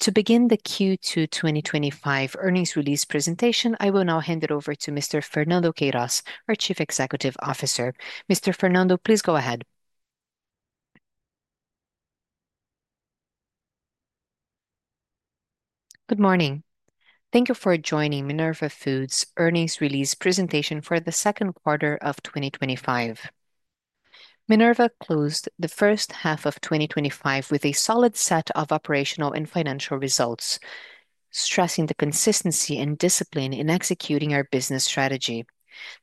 To begin the Q2 2025 Earnings Release Presentation, I will now hand it over to Mr. Fernando De Queiroz, our Chief Executive Officer. Mr. Fernando, please go ahead. Good morning. Thank you for joining Minerva Foods' Earnings Release Presentation for the Second Quarter of 2025. Minerva closed the first half of 2025 with a solid set of operational and financial results, stressing the consistency and discipline in executing our business strategy.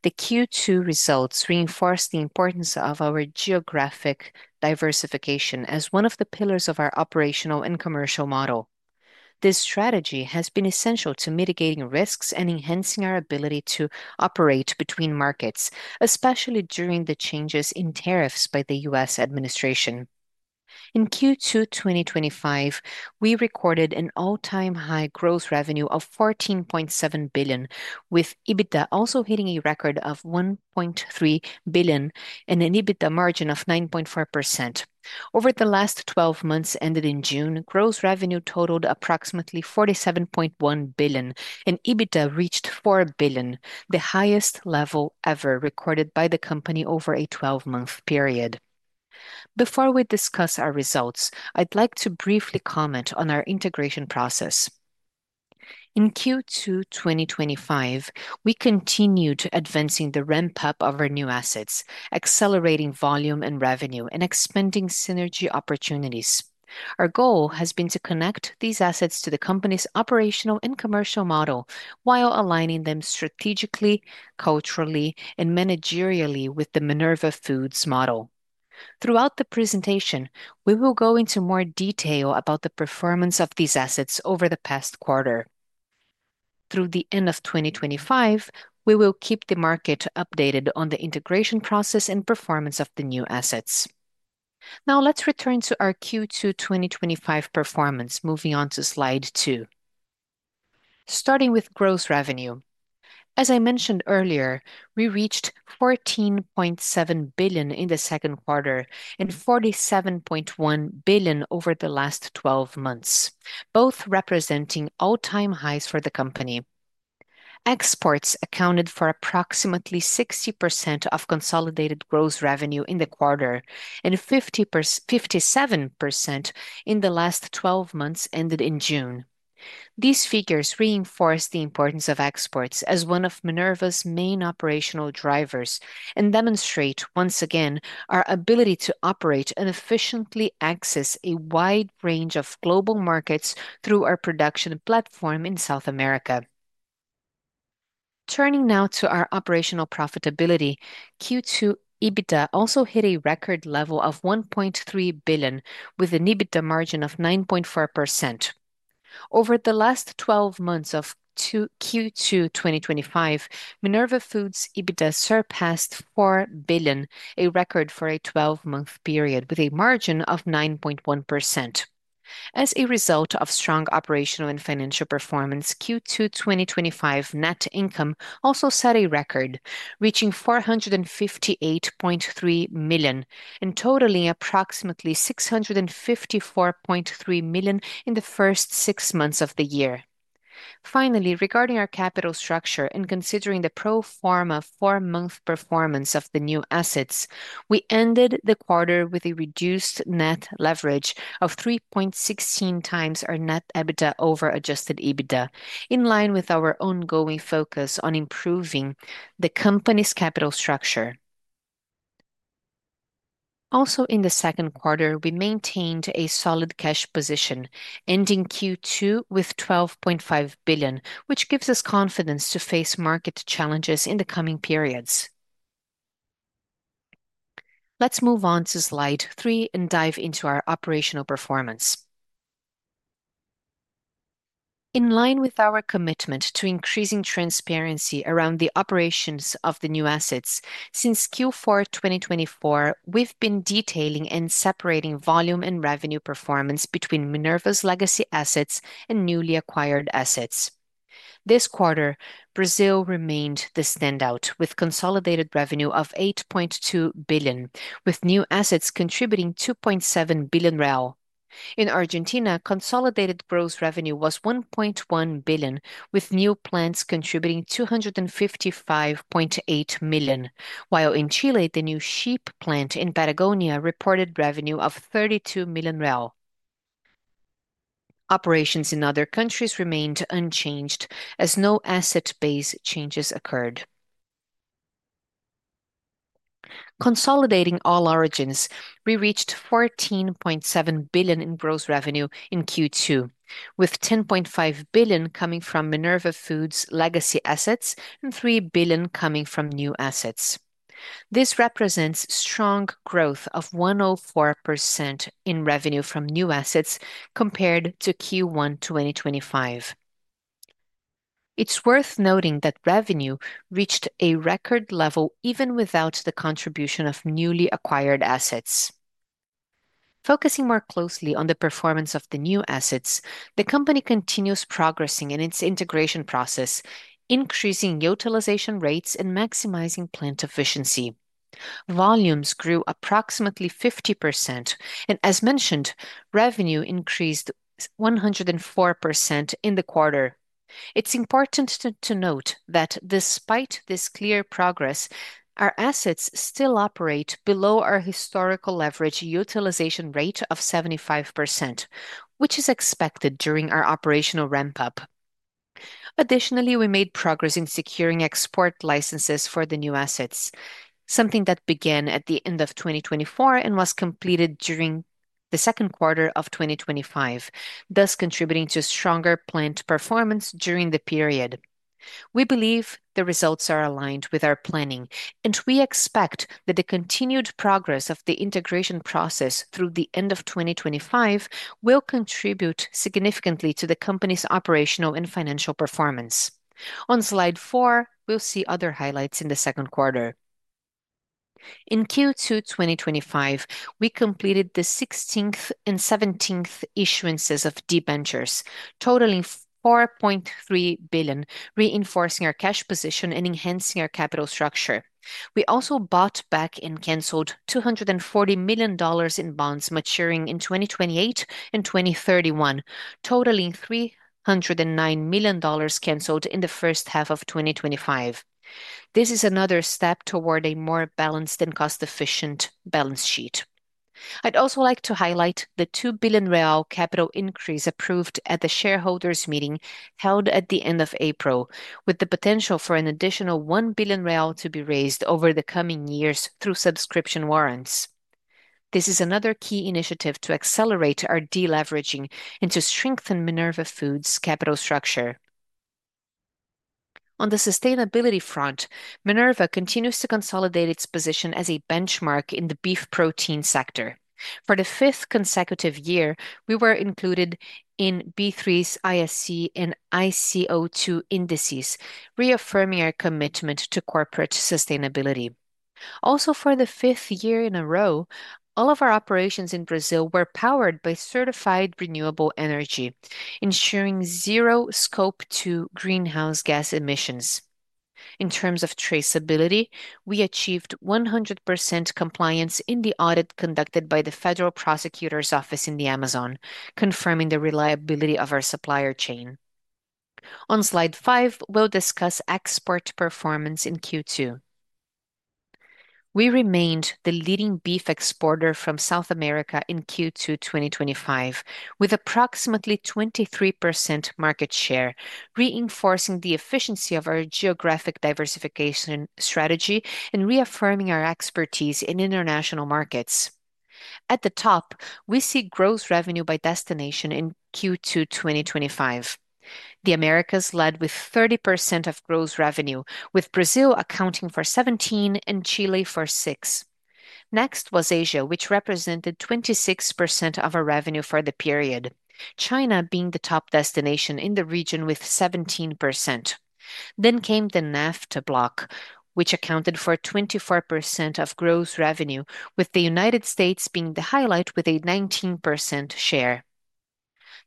The Q2 results reinforced the importance of our geographic diversification as one of the pillars of our operational and commercial model. This strategy has been essential to mitigating risks and enhancing our ability to operate between markets, especially during the changes in tariffs by the U.S. Administration. In Q2 2025, we recorded an all-time high gross revenue of $14.7 billion, with EBITDA also hitting a record of $1.3 billion and an EBITDA margin of 9.4%. Over the last 12 months ended in June, gross revenue totaled approximately $47.1 billion and EBITDA reached $4 billion, the highest level ever recorded by the company over a 12-month period. Before we discuss our results, I'd like to briefly comment on our integration process. In Q2 2025, we continued advancing the ramp-up of our new assets, accelerating volume and revenue, and expanding synergy opportunities. Our goal has been to connect these assets to the company's operational and commercial model while aligning them strategically, culturally, and managerially with the Minerva Foods model. Throughout the presentation, we will go into more detail about the performance of these assets over the past quarter. Through the end of 2025, we will keep the market updated on the integration process and performance of the new assets. Now, let's return to our Q2 2025 performance, moving on to slide two. Starting with gross revenue, as I mentioned earlier, we reached $14.7 billion in the second quarter and $47.1 billion over the last 12 months, both representing all-time highs for the company. Exports accounted for approximately 60% of consolidated gross revenue in the quarter and 57% in the last 12 months ended in June. These figures reinforce the importance of exports as one of Minerva's main operational drivers and demonstrate, once again, our ability to operate and efficiently access a wide range of global markets through our production platform in South America. Turning now to our operational profitability, Q2 EBITDA also hit a record level of $1.3 billion, with an EBITDA margin of 9.4%. Over the last 12 months of Q2 2025, Minerva Foods' EBITDA surpassed $4 billion, a record for a 12-month period, with a margin of 9.1%. As a result of strong operational and financial performance, Q2 2025 net income also set a record, reaching $458.3 million and totaling approximately $654.3 million in the first six months of the year. Finally, regarding our capital structure and considering the pro forma four-month performance of the new assets, we ended the quarter with a reduced net leverage of 3.16x our net EBITDA over adjusted EBITDA, in line with our ongoing focus on improving the company's capital structure. Also, in the second quarter, we maintained a solid cash position, ending Q2 with $12.5 billion, which gives us confidence to face market challenges in the coming periods. Let's move on to slide three and dive into our operational performance. In line with our commitment to increasing transparency around the operations of the new assets, since Q4 2024, we've been detailing and separating volume and revenue performance between Minerva's legacy assets and newly acquired assets. This quarter, Brazil remained the standout with consolidated revenue of $8.2 billion, with new assets contributing $2.7 billion. In Argentina, consolidated gross revenue was $1.1 billion, with new plants contributing $255.8 million, while in Chile, the new sheep plant in Patagonia reported revenue of $32 million. Operations in other countries remained unchanged as no asset base changes occurred. Consolidating all origins, we reached $14.7 billion in gross revenue in Q2, with $10.5 billion coming from Minerva Foods' legacy assets and $3 billion coming from new assets. This represents strong growth of 104% in revenue from new assets compared to Q1 2025. It's worth noting that revenue reached a record level even without the contribution of newly acquired assets. Focusing more closely on the performance of the new assets, the company continues progressing in its integration process, increasing utilization rates and maximizing plant efficiency. Volumes grew approximately 50% and, as mentioned, revenue increased 104% in the quarter. It's important to note that despite this clear progress, our assets still operate below our historical leverage utilization rate of 75%, which is expected during our operational ramp-up. Additionally, we made progress in securing export licenses for the new assets, something that began at the end of 2024 and was completed during the second quarter of 2025, thus contributing to stronger plant performance during the period. We believe the results are aligned with our planning, and we expect that the continued progress of the integration process through the end of 2025 will contribute significantly to the company's operational and financial performance. On slide four, we'll see other highlights in the second quarter. In Q2 2025, we completed the 16th and 17th issuances of debentures, totaling $4.3 billion, reinforcing our cash position and enhancing our capital structure. We also bought back and canceled $240 million in bonds maturing in 2028 and 2031, totaling $309 million canceled in the first half of 2025. This is another step toward a more balanced and cost-efficient balance sheet. I'd also like to highlight the $2 billion capital increase approved at the shareholders' meeting held at the end of April, with the potential for an additional $1 billion to be raised over the coming years through subscription warrants. This is another key initiative to accelerate our deleveraging and to strengthen Minerva Foods' capital structure. On the sustainability front, Minerva continues to consolidate its position as a benchmark in the beef protein sector. For the fifth consecutive year, we were included in B3's ISC and ICO2 indices, reaffirming our commitment to corporate sustainability. Also, for the fifth year in a row, all of our operations in Brazil were powered by certified renewable energy, ensuring zero scope two greenhouse gas emissions. In terms of traceability, we achieved 100% compliance in the audit conducted by the Federal Prosecutor's Office in the Amazon, confirming the reliability of our supplier chain. On slide five, we'll discuss export performance in Q2. We remained the leading beef exporter from South America in Q2 2025, with approximately 23% market share, reinforcing the efficiency of our geographic diversification strategy and reaffirming our expertise in international markets. At the top, we see gross revenue by destination in Q2 2025. The Americas led with 30% of gross revenue, with Brazil accounting for 17% and Chile for 6%. Next was Asia, which represented 26% of our revenue for the period, China being the top destination in the region with 17%. The NAFTA block accounted for 24% of gross revenue, with the United States being the highlight with a 19% share.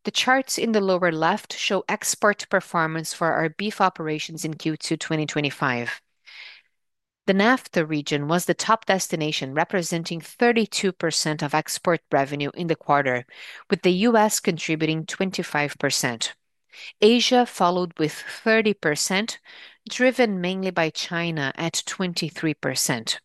The charts in the lower left show export performance for our beef operations in Q2 2025. The NAFTA region was the top destination, representing 32% of export revenue in the quarter, with the U.S. contributing 25%. Asia followed with 30%, driven mainly by China at 23%.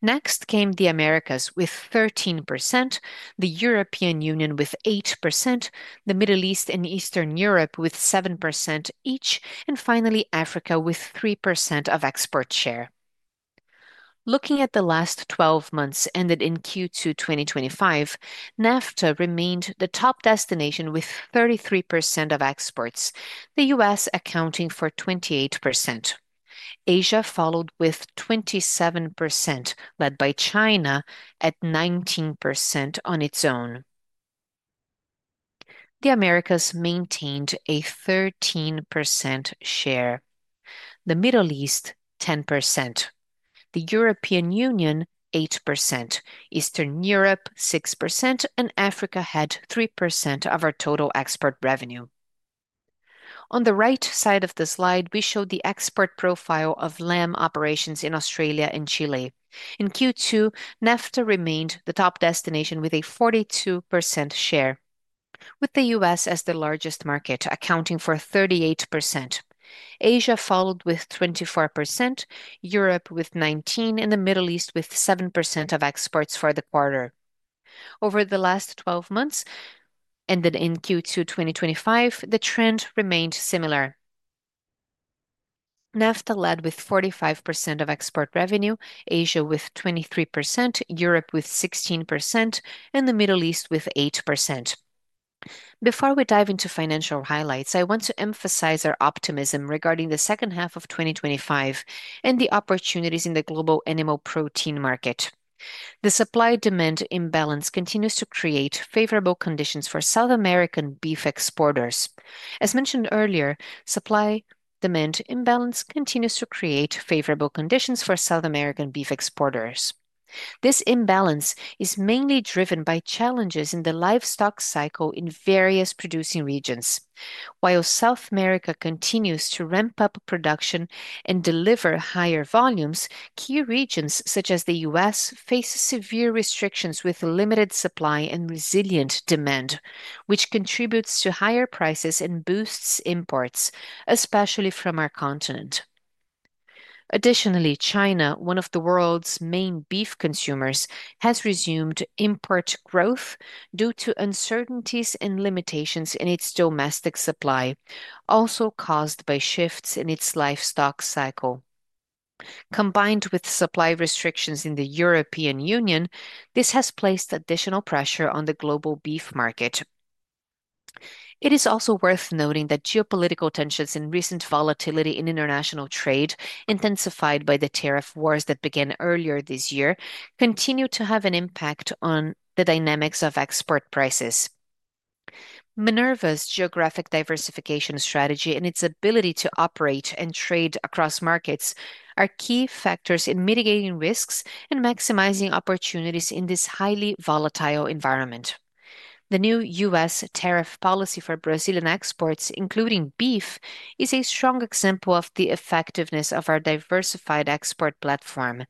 Next came the Americas with 13%, the European Union with 8%, the Middle East and Eastern Europe with 7% each, and finally Africa with 3% of export share. Looking at the last 12 months ended in Q2 2025, NAFTA remained the top destination with 33% of exports, the U.S. accounting for 28%. Asia followed with 27%, led by China at 19% on its own. The Americas maintained a 13% share, the Middle East 10%, the European Union 8%, Eastern Europe 6%, and Africa had 3% of our total export revenue. On the right side of the slide, we show the export profile of lamb operations in Australia and Chile. In Q2, NAFTA remained the top destination with a 42% share, with the U.S. as the largest market, accounting for 38%. Asia followed with 24%, Europe with 19%, and the Middle East with 7% of exports for the quarter. Over the last 12 months ended in Q2 2025, the trend remained similar. NAFTA led with 45% of export revenue, Asia with 23%, Europe with 16%, and the Middle East with 8%. Before we dive into financial highlights, I want to emphasize our optimism regarding the second half of 2025 and the opportunities in the global animal protein market. The supply-demand imbalance continues to create favorable conditions for South American beef exporters. As mentioned earlier, supply-demand imbalance continues to create favorable conditions for South American beef exporters. This imbalance is mainly driven by challenges in the livestock cycle in various producing regions. While South America continues to ramp up production and deliver higher volumes, key regions such as the U.S. face severe restrictions with limited supply and resilient demand, which contributes to higher prices and boosts imports, especially from our continent. Additionally, China, one of the world's main beef consumers, has resumed import growth due to uncertainties and limitations in its domestic supply, also caused by shifts in its livestock cycle. Combined with supply restrictions in the European Union, this has placed additional pressure on the global beef market. It is also worth noting that geopolitical tensions and recent volatility in international trade, intensified by the tariff wars that began earlier this year, continue to have an impact on the dynamics of export prices. Minerva's geographic diversification strategy and its ability to operate and trade across markets are key factors in mitigating risks and maximizing opportunities in this highly volatile environment. The new U.S. tariff policy for Brazilian exports, including beef, is a strong example of the effectiveness of our diversified export platform,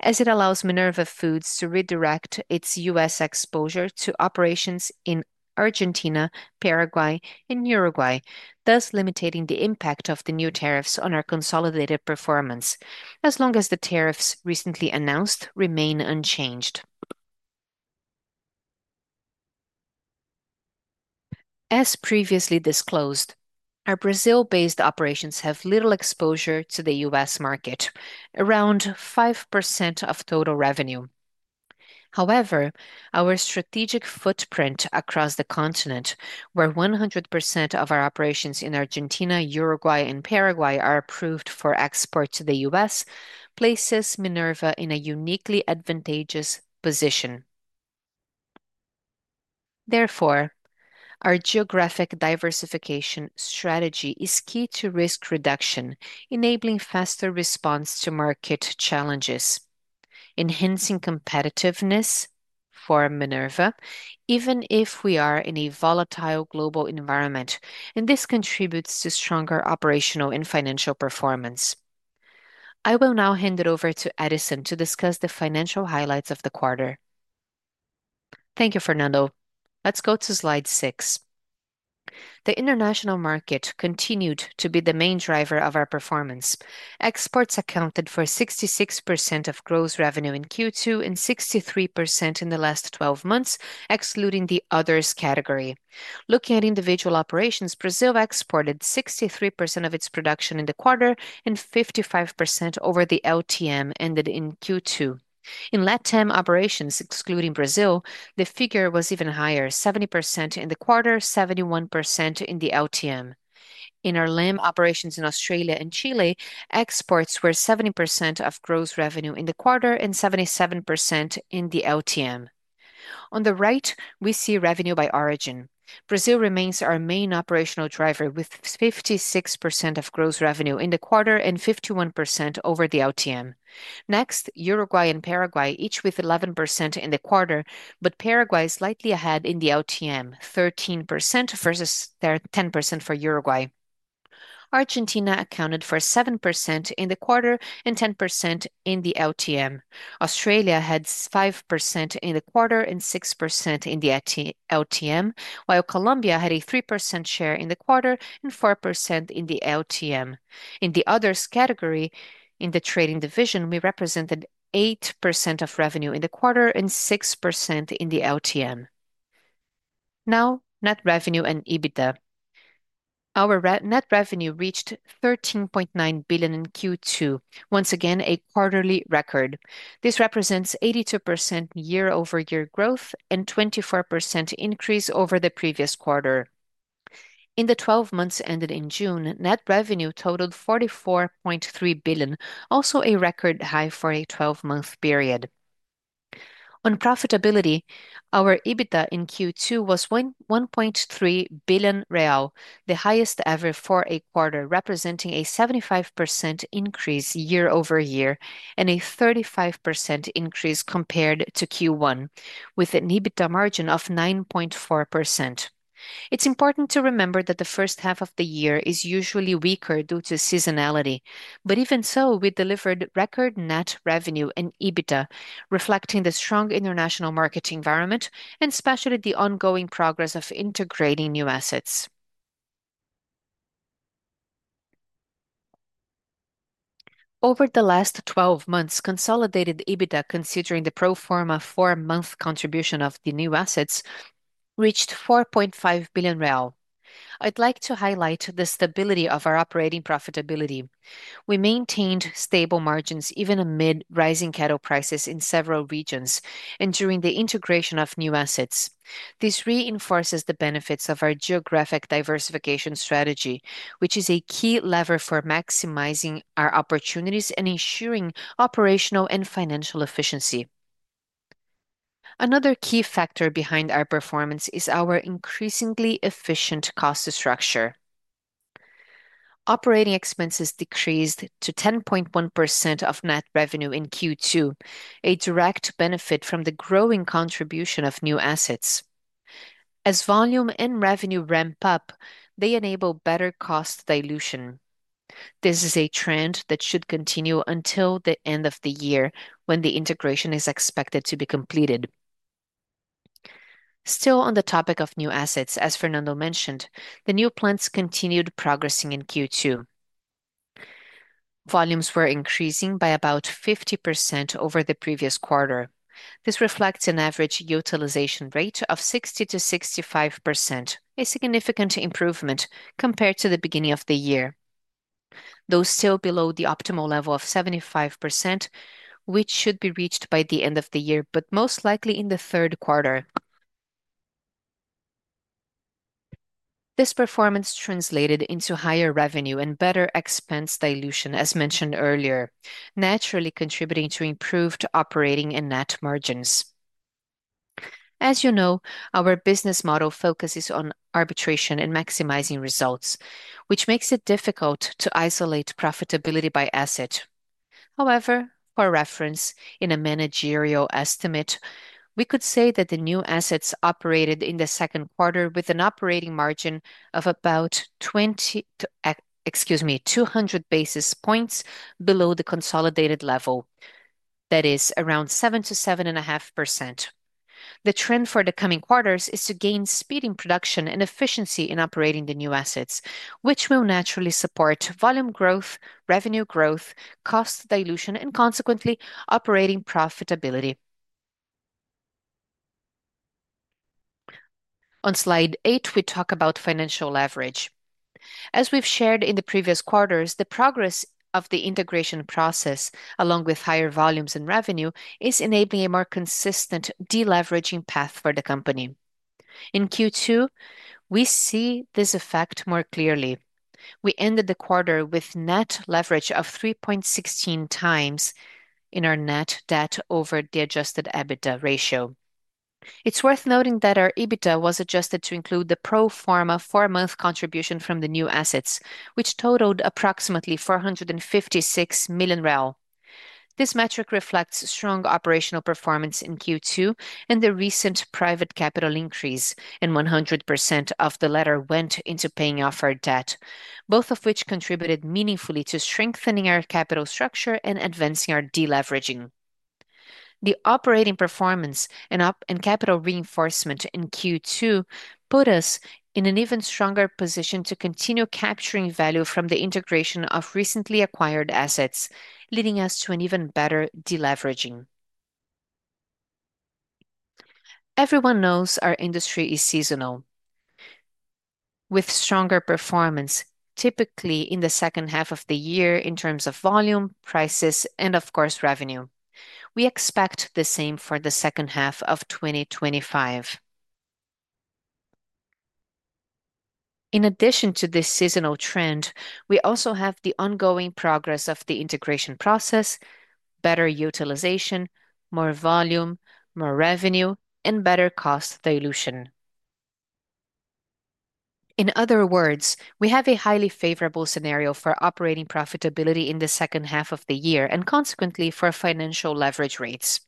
as it allows Minerva Foods to redirect its U.S. exposure to operations in Argentina, Paraguay, and Uruguay, thus limiting the impact of the new tariffs on our consolidated performance, as long as the tariffs recently announced remain unchanged. As previously disclosed, our Brazil-based operations have little exposure to the U.S. market, around 5% of total revenue. However, our strategic footprint across the continent, where 100% of our operations in Argentina, Uruguay, and Paraguay are approved for export to the U.S., places Minerva in a uniquely advantageous position. Therefore, our geographic diversification strategy is key to risk reduction, enabling faster response to market challenges, enhancing competitiveness for Minerva, even if we are in a volatile global environment, and this contributes to stronger operational and financial performance. I will now hand it over to Edison to discuss the financial highlights of the quarter. Thank you, Fernando. Let's go to slide six. The international market continued to be the main driver of our performance. Exports accounted for 66% of gross revenue in Q2 and 63% in the last 12 months, excluding the "others" category. Looking at individual operations, Brazil exported 63% of its production in the quarter and 55% over the LTM ended in Q2. In LATAM operations, excluding Brazil, the figure was even higher, 70% in the quarter, 71% in the LTM. In our lamb operations in Australia and Chile, exports were 70% of gross revenue in the quarter and 77% in the LTM. On the right, we see revenue by origin. Brazil remains our main operational driver, with 56% of gross revenue in the quarter and 51% over the LTM. Next, Uruguay and Paraguay, each with 11% in the quarter, but Paraguay slightly ahead in the LTM, 13% versus 10% for Uruguay. Argentina accounted for 7% in the quarter and 10% in the LTM. Australia had 5% in the quarter and 6% in the LTM, while Colombia had a 3% share in the quarter and 4% in the LTM. In the "others" category, in the trading division, we represented 8% of revenue in the quarter and 6% in the LTM. Now, net revenue and EBITDA. Our net revenue reached $13.9 billion in Q2, once again a quarterly record. This represents 82% year-over-year growth and a 24% increase over the previous quarter. In the 12 months ended in June, net revenue totaled $44.3 billion, also a record high for a 12-month period. On profitability, our EBITDA in Q2 was $1.3 billion, the highest ever for a quarter, representing a 75% increase year-over-year and a 35% increase compared to Q1, with an EBITDA margin of 9.4%. It's important to remember that the first half of the year is usually weaker due to seasonality, but even so, we delivered record net revenue and EBITDA, reflecting the strong international market environment and especially the ongoing progress of integrating new assets. Over the last 12 months, consolidated EBITDA considering the pro forma four-month contribution of the new assets reached $4.5 billion. I'd like to highlight the stability of our operating profitability. We maintained stable margins even amid rising cattle prices in several regions and during the integration of new assets. This reinforces the benefits of our geographic diversification strategy, which is a key lever for maximizing our opportunities and ensuring operational and financial efficiency. Another key factor behind our performance is our increasingly efficient cost structure. Operating expenses decreased to 10.1% of net revenue in Q2, a direct benefit from the growing contribution of new assets. As volume and revenue ramp up, they enable better cost dilution. This is a trend that should continue until the end of the year, when the integration is expected to be completed. Still on the topic of new assets, as Fernando mentioned, the new plants continued progressing in Q2. Volumes were increasing by about 50% over the previous quarter. This reflects an average utilization rate of 60%-65%, a significant improvement compared to the beginning of the year. Though still below the optimal level of 75%, which should be reached by the end of the year, but most likely in the third quarter. This performance translated into higher revenue and better expense dilution, as mentioned earlier, naturally contributing to improved operating and net margins. As you know, our business model focuses on arbitration and maximizing results, which makes it difficult to isolate profitability by asset. However, for reference, in a managerial estimate, we could say that the new assets operated in the second quarter with an operating margin of about 200 basis points below the consolidated level, that is around 7% to 7.5%. The trend for the coming quarters is to gain speed in production and efficiency in operating the new assets, which will naturally support volume growth, revenue growth, cost dilution, and consequently, operating profitability. On slide eight, we talk about financial leverage. As we've shared in the previous quarters, the progress of the integration process, along with higher volumes and revenue, is enabling a more consistent deleveraging path for the company. In Q2, we see this effect more clearly. We ended the quarter with net leverage of 3.16x in our net debt over the adjusted EBITDA ratio. It's worth noting that our EBITDA was adjusted to include the pro forma four-month contribution from the new assets, which totaled approximately $456 million. This metric reflects strong operational performance in Q2 and the recent private capital increase, and 100% of the latter went into paying off our debt, both of which contributed meaningfully to strengthening our capital structure and advancing our deleveraging. The operating performance and capital reinforcement in Q2 put us in an even stronger position to continue capturing value from the integration of recently acquired assets, leading us to an even better deleveraging. Everyone knows our industry is seasonal, with stronger performance typically in the second half of the year in terms of volume, prices, and of course, revenue. We expect the same for the second half of 2025. In addition to this seasonal trend, we also have the ongoing progress of the integration process, better utilization, more volume, more revenue, and better cost dilution. In other words, we have a highly favorable scenario for operating profitability in the second half of the year and consequently for financial leverage rates.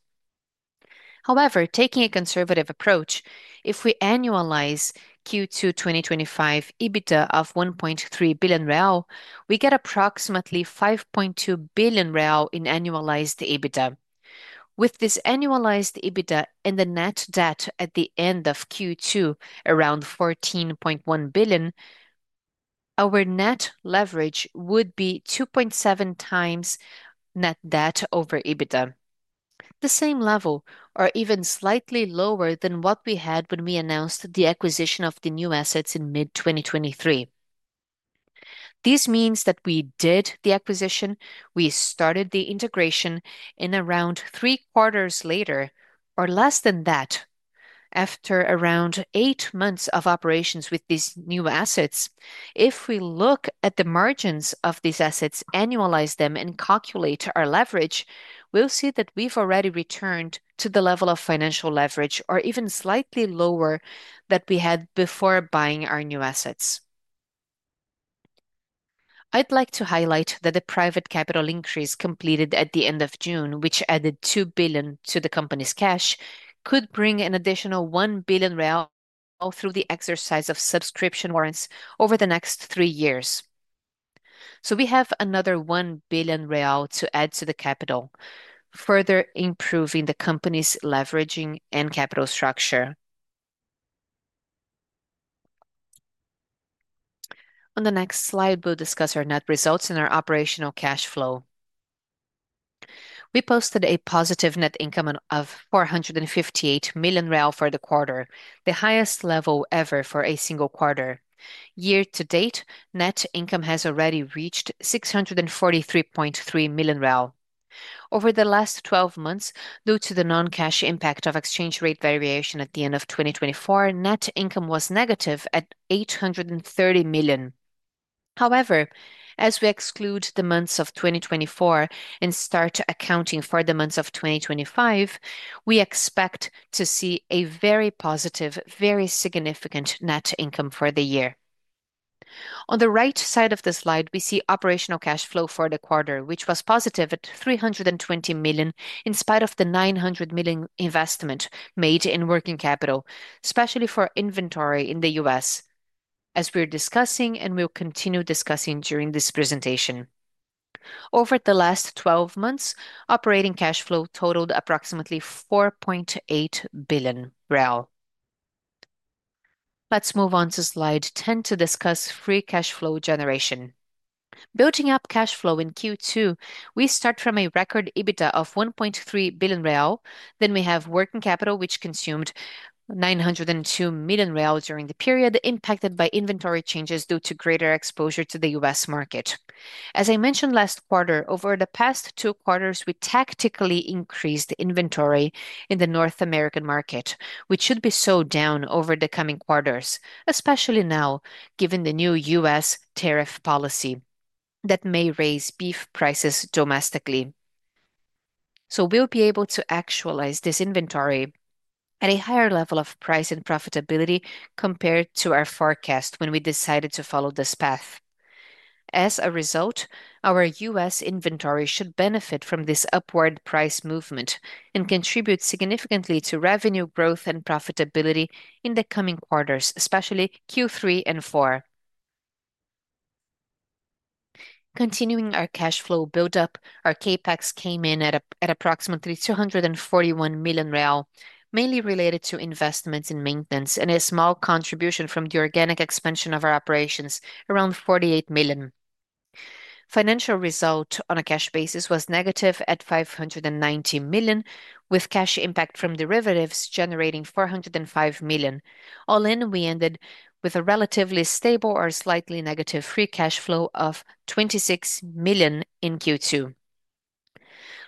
However, taking a conservative approach, if we annualize Q2 2025 EBITDA of $1.3 billion, we get approximately $5.2 billion in annualized EBITDA. With this annualized EBITDA and the net debt at the end of Q2 around $14.1 billion, our net leverage would be 2.7x net debt over EBITDA, the same level or even slightly lower than what we had when we announced the acquisition of the new assets in mid-2023. This means that we did the acquisition, we started the integration, and around three quarters later, or less than that, after around eight months of operations with these new assets, if we look at the margins of these assets, annualize them, and calculate our leverage, we'll see that we've already returned to the level of financial leverage or even slightly lower that we had before buying our new assets. I'd like to highlight that the private capital increase completed at the end of June, which added $2 billion to the company's cash, could bring an additional $1 billion through the exercise of subscription warrants over the next three years. We have another $1 billion to add to the capital, further improving the company's leveraging and capital structure. On the next slide, we'll discuss our net results and our operational cash flow. We posted a positive net income of $458 million for the quarter, the highest level ever for a single quarter. Year to date, net income has already reached $643.3 million. Over the last 12 months, due to the non-cash impact of exchange rate variation at the end of 2024, net income was negative at $830 million. However, as we exclude the months of 2024 and start accounting for the months of 2025, we expect to see a very positive, very significant net income for the year. On the right side of the slide, we see operational cash flow for the quarter, which was positive at $320 million in spite of the $900 million investment made in working capital, especially for inventory in the U.S., as we're discussing and we'll continue discussing during this presentation. Over the last 12 months, operating cash flow totaled approximately $4.8 billion. Let's move on to slide 10 to discuss free cash flow generation. Building up cash flow in Q2, we start from a record EBITDA of $1.3 billion. Then we have working capital, which consumed $902 million during the period impacted by inventory changes due to greater exposure to the U.S. market. As I mentioned last quarter, over the past two quarters, we tactically increased inventory in the North American market, which should be slowed down over the coming quarters, especially now given the new U.S. Tariff policy that may raise beef prices domestically. We'll be able to actualize this inventory at a higher level of price and profitability compared to our forecast when we decided to follow this path. As a result, our U.S. inventory should benefit from this upward price movement and contribute significantly to revenue growth and profitability in the coming quarters, especially Q3 and Q4. Continuing our cash flow buildup, our CapEx came in at approximately $241 million, mainly related to investments in maintenance and a small contribution from the organic expansion of our operations, around $48 million. Financial result on a cash basis was negative at $590 million, with cash impact from derivatives generating $405 million. All in, we ended with a relatively stable or slightly negative free cash flow of $26 million in Q2.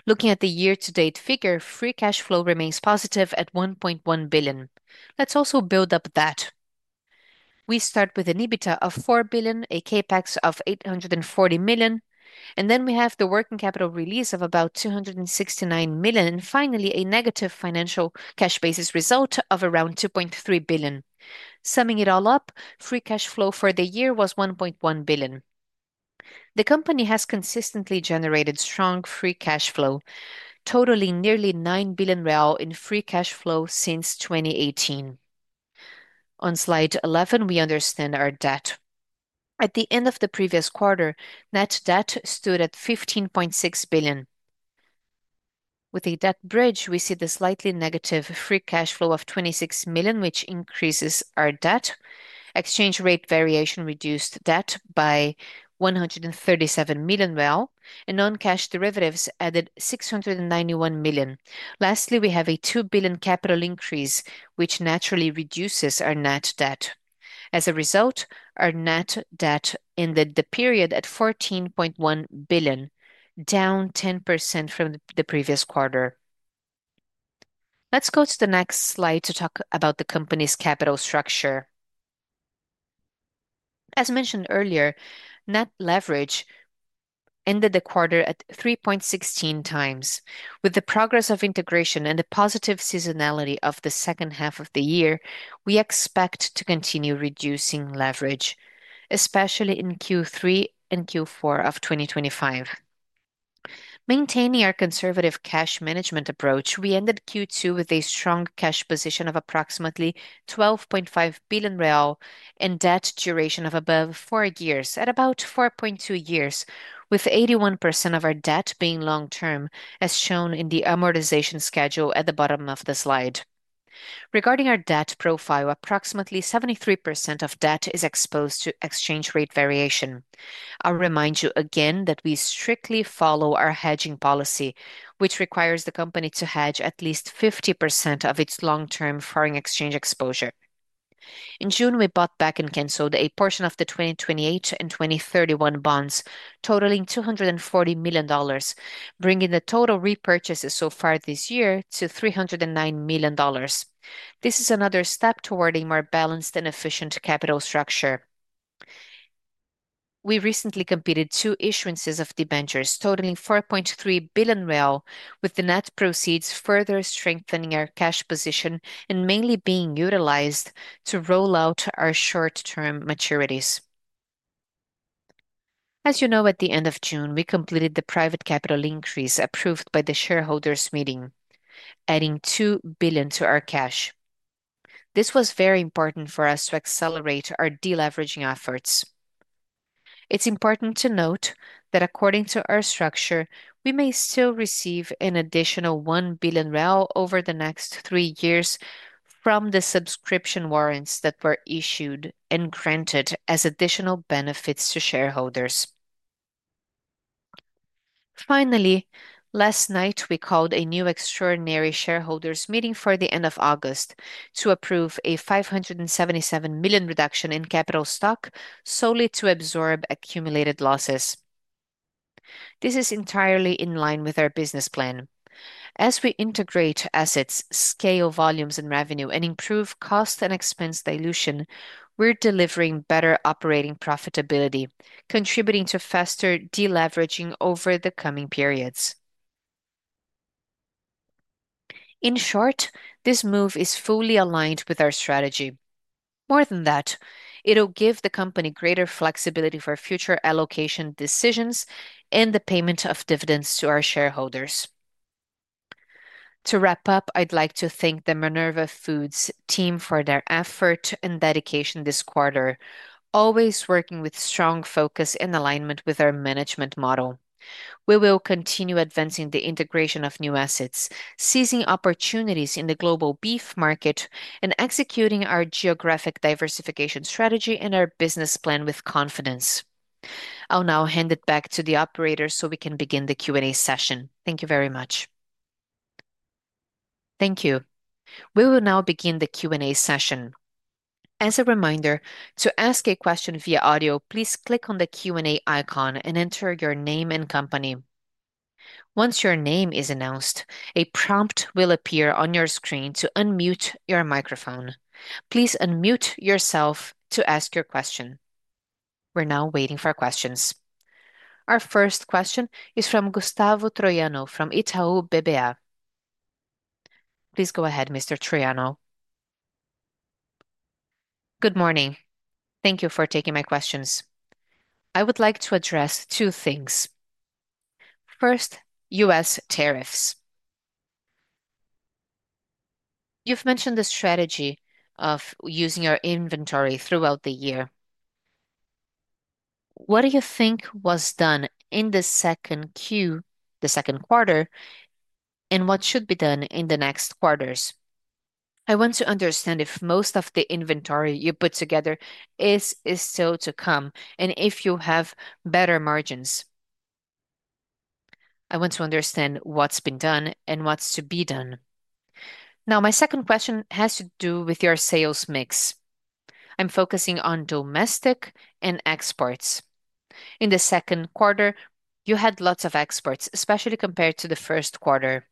Looking at the year-to-date figure, free cash flow remains positive at $1.1 billion. Let's also build up that. We start with an EBITDA of $4 billion, a CapEx of $840 million, and then we have the working capital release of about $269 million, and finally a negative financial cash basis result of around $2.3 billion. Summing it all up, free cash flow for the year was $1.1 billion. The company has consistently generated strong free cash flow, totaling nearly $9 billion in free cash flow since 2018. On slide 11, we understand our debt. At the end of the previous quarter, net debt stood at $15.6 billion. With a debt bridge, we see the slightly negative free cash flow of $26 million, which increases our debt. Exchange rate variation reduced debt by $137 million, and non-cash derivatives added $691 million. Lastly, we have a $2 billion capital increase, which naturally reduces our net debt. As a result, our net debt ended the period at $14.1 billion, down 10% from the previous quarter. Let's go to the next slide to talk about the company's capital structure. As mentioned earlier, net leverage ended the quarter at 3.16x. With the progress of integration and the positive seasonality of the second half of the year, we expect to continue reducing leverage, especially in Q3 and Q4 of 2025. Maintaining our conservative cash management approach, we ended Q2 with a strong cash position of approximately $12.5 billion and debt duration of above four years, at about 4.2 years, with 81% of our debt being long-term, as shown in the amortization schedule at the bottom of the slide. Regarding our debt profile, approximately 73% of debt is exposed to exchange rate variation. I'll remind you again that we strictly follow our hedging policy, which requires the company to hedge at least 50% of its long-term foreign exchange exposure. In June, we bought back and canceled a portion of the 2028 and 2031 bonds, totaling $240 million, bringing the total repurchases so far this year to $309 million. This is another step toward a more balanced and efficient capital structure. We recently completed two issuances of debentures, totaling $4.3 billion, with the net proceeds further strengthening our cash position and mainly being utilized to roll out our short-term maturities. As you know, at the end of June, we completed the private capital increase approved by the shareholders' meeting, adding $2 billion to our cash. This was very important for us to accelerate our deleveraging efforts. It's important to note that according to our structure, we may still receive an additional $1 billion over the next three years from the subscription warrants that were issued and granted as additional benefits to shareholders. Finally, last night, we called a new extraordinary shareholders' meeting for the end of August to approve a $577 million reduction in capital stock solely to absorb accumulated losses. This is entirely in line with our business plan. As we integrate assets, scale volumes and revenue, and improve cost and expense dilution, we're delivering better operating profitability, contributing to faster deleveraging over the coming periods. In short, this move is fully aligned with our strategy. More than that, it'll give the company greater flexibility for future allocation decisions and the payment of dividends to our shareholders. To wrap up, I'd like to thank the Minerva Foods team for their effort and dedication this quarter, always working with strong focus and alignment with our management model. We will continue advancing the integration of new assets, seizing opportunities in the global beef market, and executing our geographic diversification strategy and our business plan with confidence. I'll now hand it back to the operator so we can begin the Q&A session. Thank you very much. Thank you. We will now begin the Q&A session. As a reminder, to ask a question via audio, please click on the Q&A icon and enter your name and company. Once your name is announced, a prompt will appear on your screen to unmute your microphone. Please unmute yourself to ask your question. We're now waiting for questions. Our first question is from Gustavo Troyano from Itaú BBA. Please go ahead, Mr. Troyano. Good morning. Thank you for taking my questions. I would like to address two things. First, U.S. tariffs. You've mentioned the strategy of using your inventory throughout the year. What do you think was done in the second quarter and what should be done in the next quarters? I want to understand if most of the inventory you put together is still to come and if you have better margins. I want to understand what's been done and what's to be done. Now, my second question has to do with your sales mix. I'm focusing on domestic and exports. In the second quarter, you had lots of exports, especially compared to the first quarter.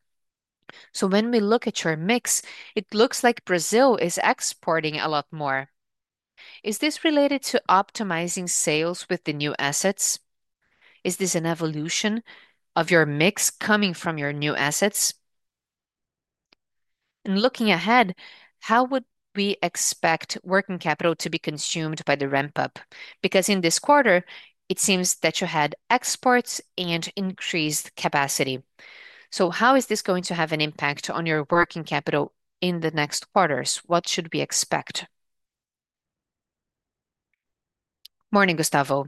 When we look at your mix, it looks like Brazil is exporting a lot more. Is this related to optimizing sales with the new assets? Is this an evolution of your mix coming from your new assets? Looking ahead, how would we expect working capital to be consumed by the ramp-up? Because in this quarter, it seems that you had exports and increased capacity. How is this going to have an impact on your working capital in the next quarters? What should we expect? Morning, Gustavo.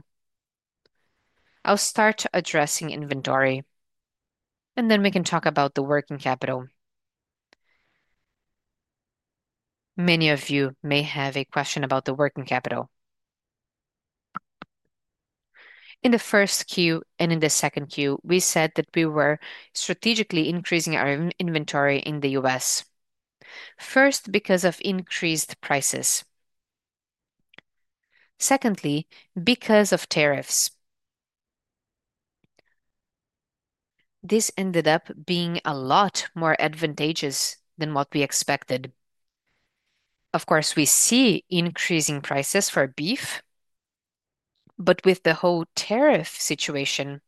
I'll start addressing inventory, and then we can talk about the working capital. Many of you may have a question about the working capital. In the first Q and in the second Q, we said that we were strategically increasing our inventory in the U.S. First, because of increased prices. Secondly, because of tariffs. This ended up being a lot more advantageous than what we expected. Of course, we see increasing prices for beef, but with the whole tariff situation,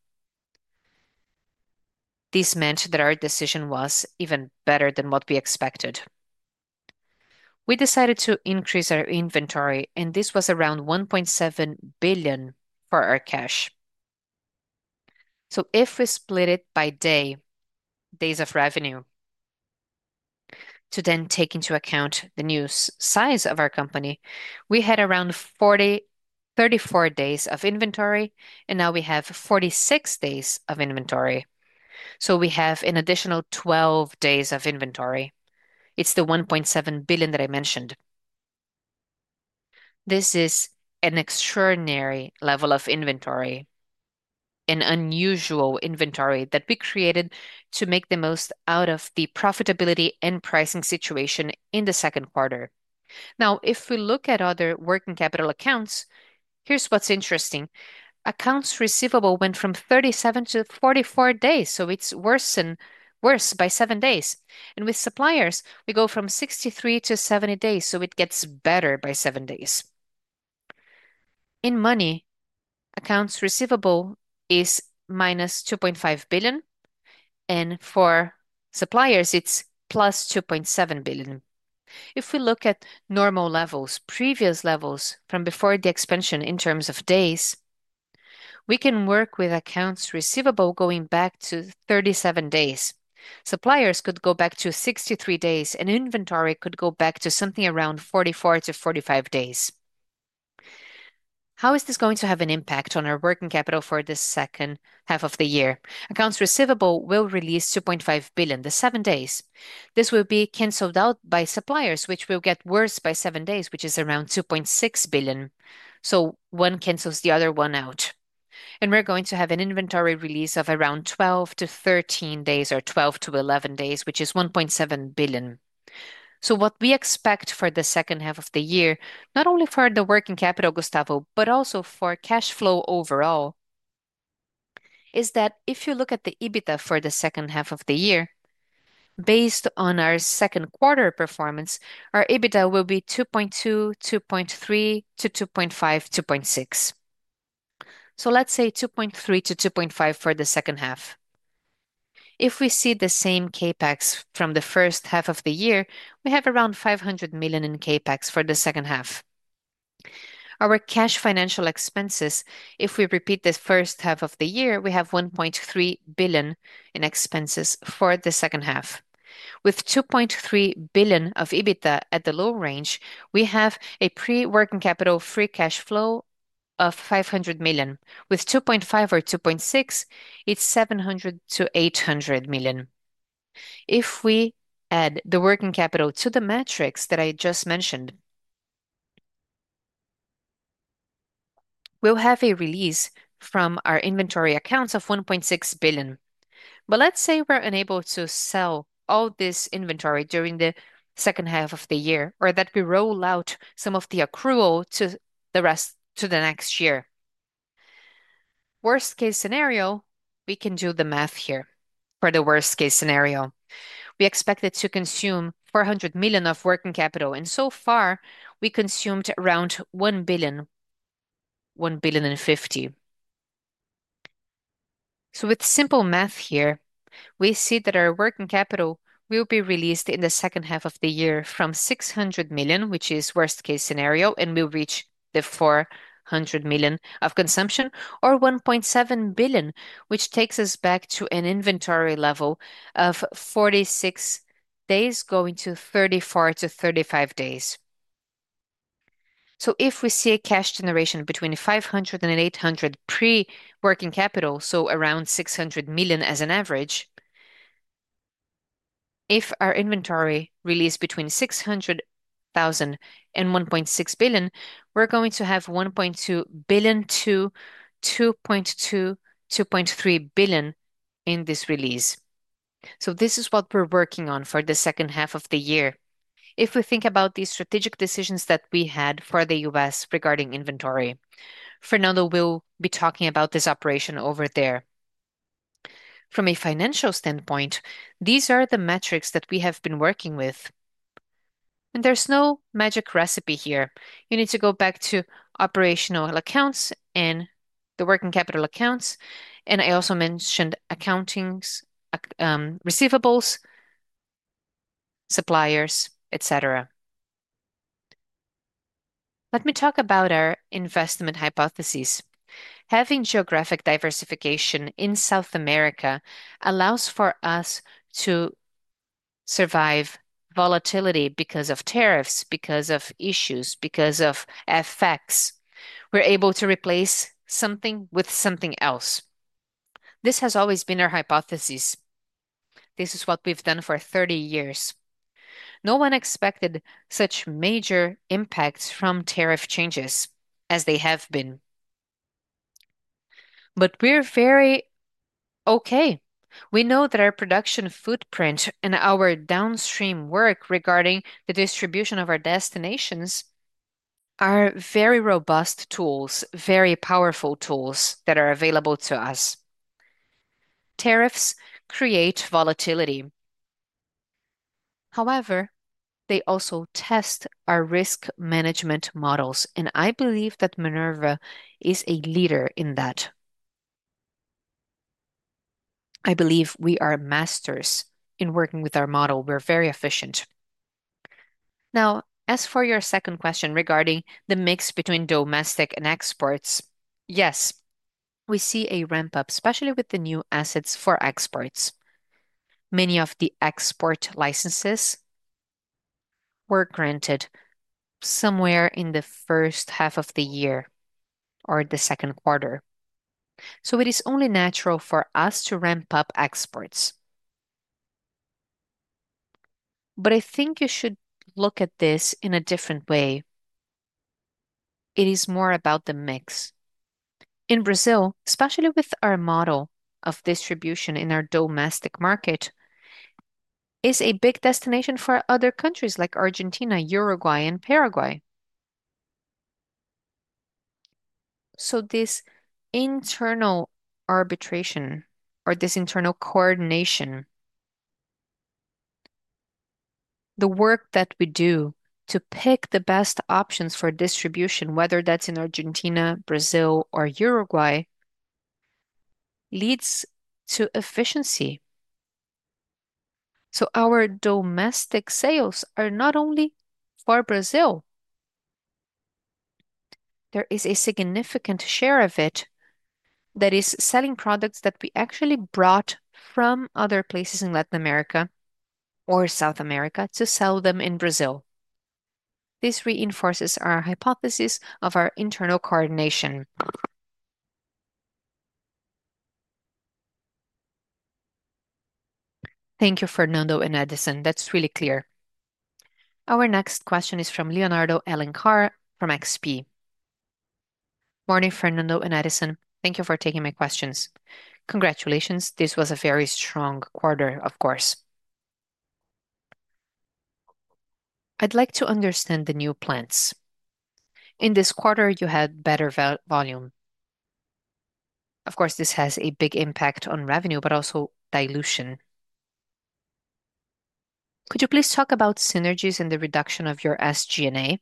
this meant that our decision was even better than what we expected. We decided to increase our inventory, and this was around $1.7 billion for our cash. If we split it by days of revenue, to then take into account the new size of our company, we had around 34 days of inventory, and now we have 46 days of inventory. We have an additional 12 days of inventory. It's the $1.7 billion that I mentioned. This is an extraordinary level of inventory, an unusual inventory that we created to make the most out of the profitability and pricing situation in the second quarter. If we look at other working capital accounts, here's what's interesting. Accounts receivable went from 37 to 44 days, so it's worse by seven days. With suppliers, we go from 63 to 70 days, so it gets better by seven days. In money, accounts receivable is -$2.5 billion, and for suppliers, it's +$2.7 billion. If we look at normal levels, previous levels from before the expansion in terms of days, we can work with accounts receivable going back to 37 days. Suppliers could go back to 63 days, and inventory could go back to something around 44-45 days. How is this going to have an impact on our working capital for the second half of the year. Accounts receivable will release $2.5 billion the seven days. This will be canceled out by suppliers, which will get worse by seven days, which is around $2.6 billion. One cancels the other one out. We're going to have an inventory release of around 12-13 days, or 12-11 days, which is $1.7 billion. What we expect for the second half of the year, not only for the working capital, Gustavo, but also for cash flow overall, is that if you look at the EBITDA for the second half of the year, based on our second quarter performance, our EBITDA will be 2.2, 2.3 to 2.5, 2.6. Let's say 2.3 to 2.5 for the second half. If we see the same CapEx from the first half of the year, we have around $500 million in CapEx for the second half. Our cash financial expenses, if we repeat the first half of the year, we have $1.3 billion in expenses for the second half. With $2.3 billion of EBITDA at the low range, we have a pre-working capital free cash flow of $500 million. With $2.5 billion or $2.6 billion, it's $700 million-$800 million. If we add the working capital to the metrics that I just mentioned, we'll have a release from our inventory accounts of $1.6 billion. Let's say we're unable to sell all this inventory during the second half of the year, or that we roll out some of the accrual to the rest of the next year. Worst-case scenario, we can do the math here for the worst-case scenario. We expected to consume $400 million of working capital, and so far, we consumed around $1 billion. With simple math here, we see that our working capital will be released in the second half of the year from $600 million, which is worst-case scenario, and we'll reach the $400 million of consumption, or $1.7 billion, which takes us back to an inventory level of 46 days, going to 34-35 days. If we see a cash generation between $500 million and $800 million pre-working capital, so around $600 million as an average, if our inventory releases between $600 million and $1.6 billion, we're going to have $1.2 billion to $2.2 billion-$2.3 billion in this release. This is what we're working on for the second half of the year. If we think about these strategic decisions that we had for the U.S. regarding inventory, Fernando De Queiroz will be talking about this operation over there. From a financial standpoint, these are the metrics that we have been working with. There's no magic recipe here. You need to go back to operational accounts and the working capital accounts, and I also mentioned accountings, receivables, suppliers, etc. Let me talk about our investment hypotheses. Having geographic diversification in South America allows for us to survive volatility because of tariffs, because of issues, because of FX. We're able to replace something with something else. This has always been our hypothesis. This is what we've done for 30 years. No one expected such major impacts from tariff changes as they have been. We're very okay. We know that our production footprint and our downstream work regarding the distribution of our destinations are very robust tools, very powerful tools that are available to us. Tariffs create volatility. However, they also test our risk management models, and I believe that Minerva Foods is a leader in that. I believe we are masters in working with our model. We're very efficient. As for your second question regarding the mix between domestic and exports, yes, we see a ramp-up, especially with the new assets for exports. Many of the export licenses were granted somewhere in the first half of the year or the second quarter. It is only natural for us to ramp up exports. I think you should look at this in a different way. It is more about the mix. In Brazil, especially with our model of distribution in our domestic market, it's a big destination for other countries like Argentina, Uruguay, and Paraguay. This internal arbitration or this internal coordination, the work that we do to pick the best options for distribution, whether that's in Argentina, Brazil, or Uruguay, leads to efficiency. Our domestic sales are not only for Brazil. There is a significant share of it that is selling products that we actually brought from other places in Latin America or South America to sell them in Brazil. This reinforces our hypothesis of our internal coordination. Thank you, Fernando and Edison. That's really clear. Our next question is from Leonardo Alencar from XP. Morning, Fernando and Edison. Thank you for taking my questions. Congratulations. This was a very strong quarter, of course. I'd like to understand the new plants. In this quarter, you had better volume. Of course, this has a big impact on revenue, but also dilution. Could you please talk about synergies in the reduction of your SG&A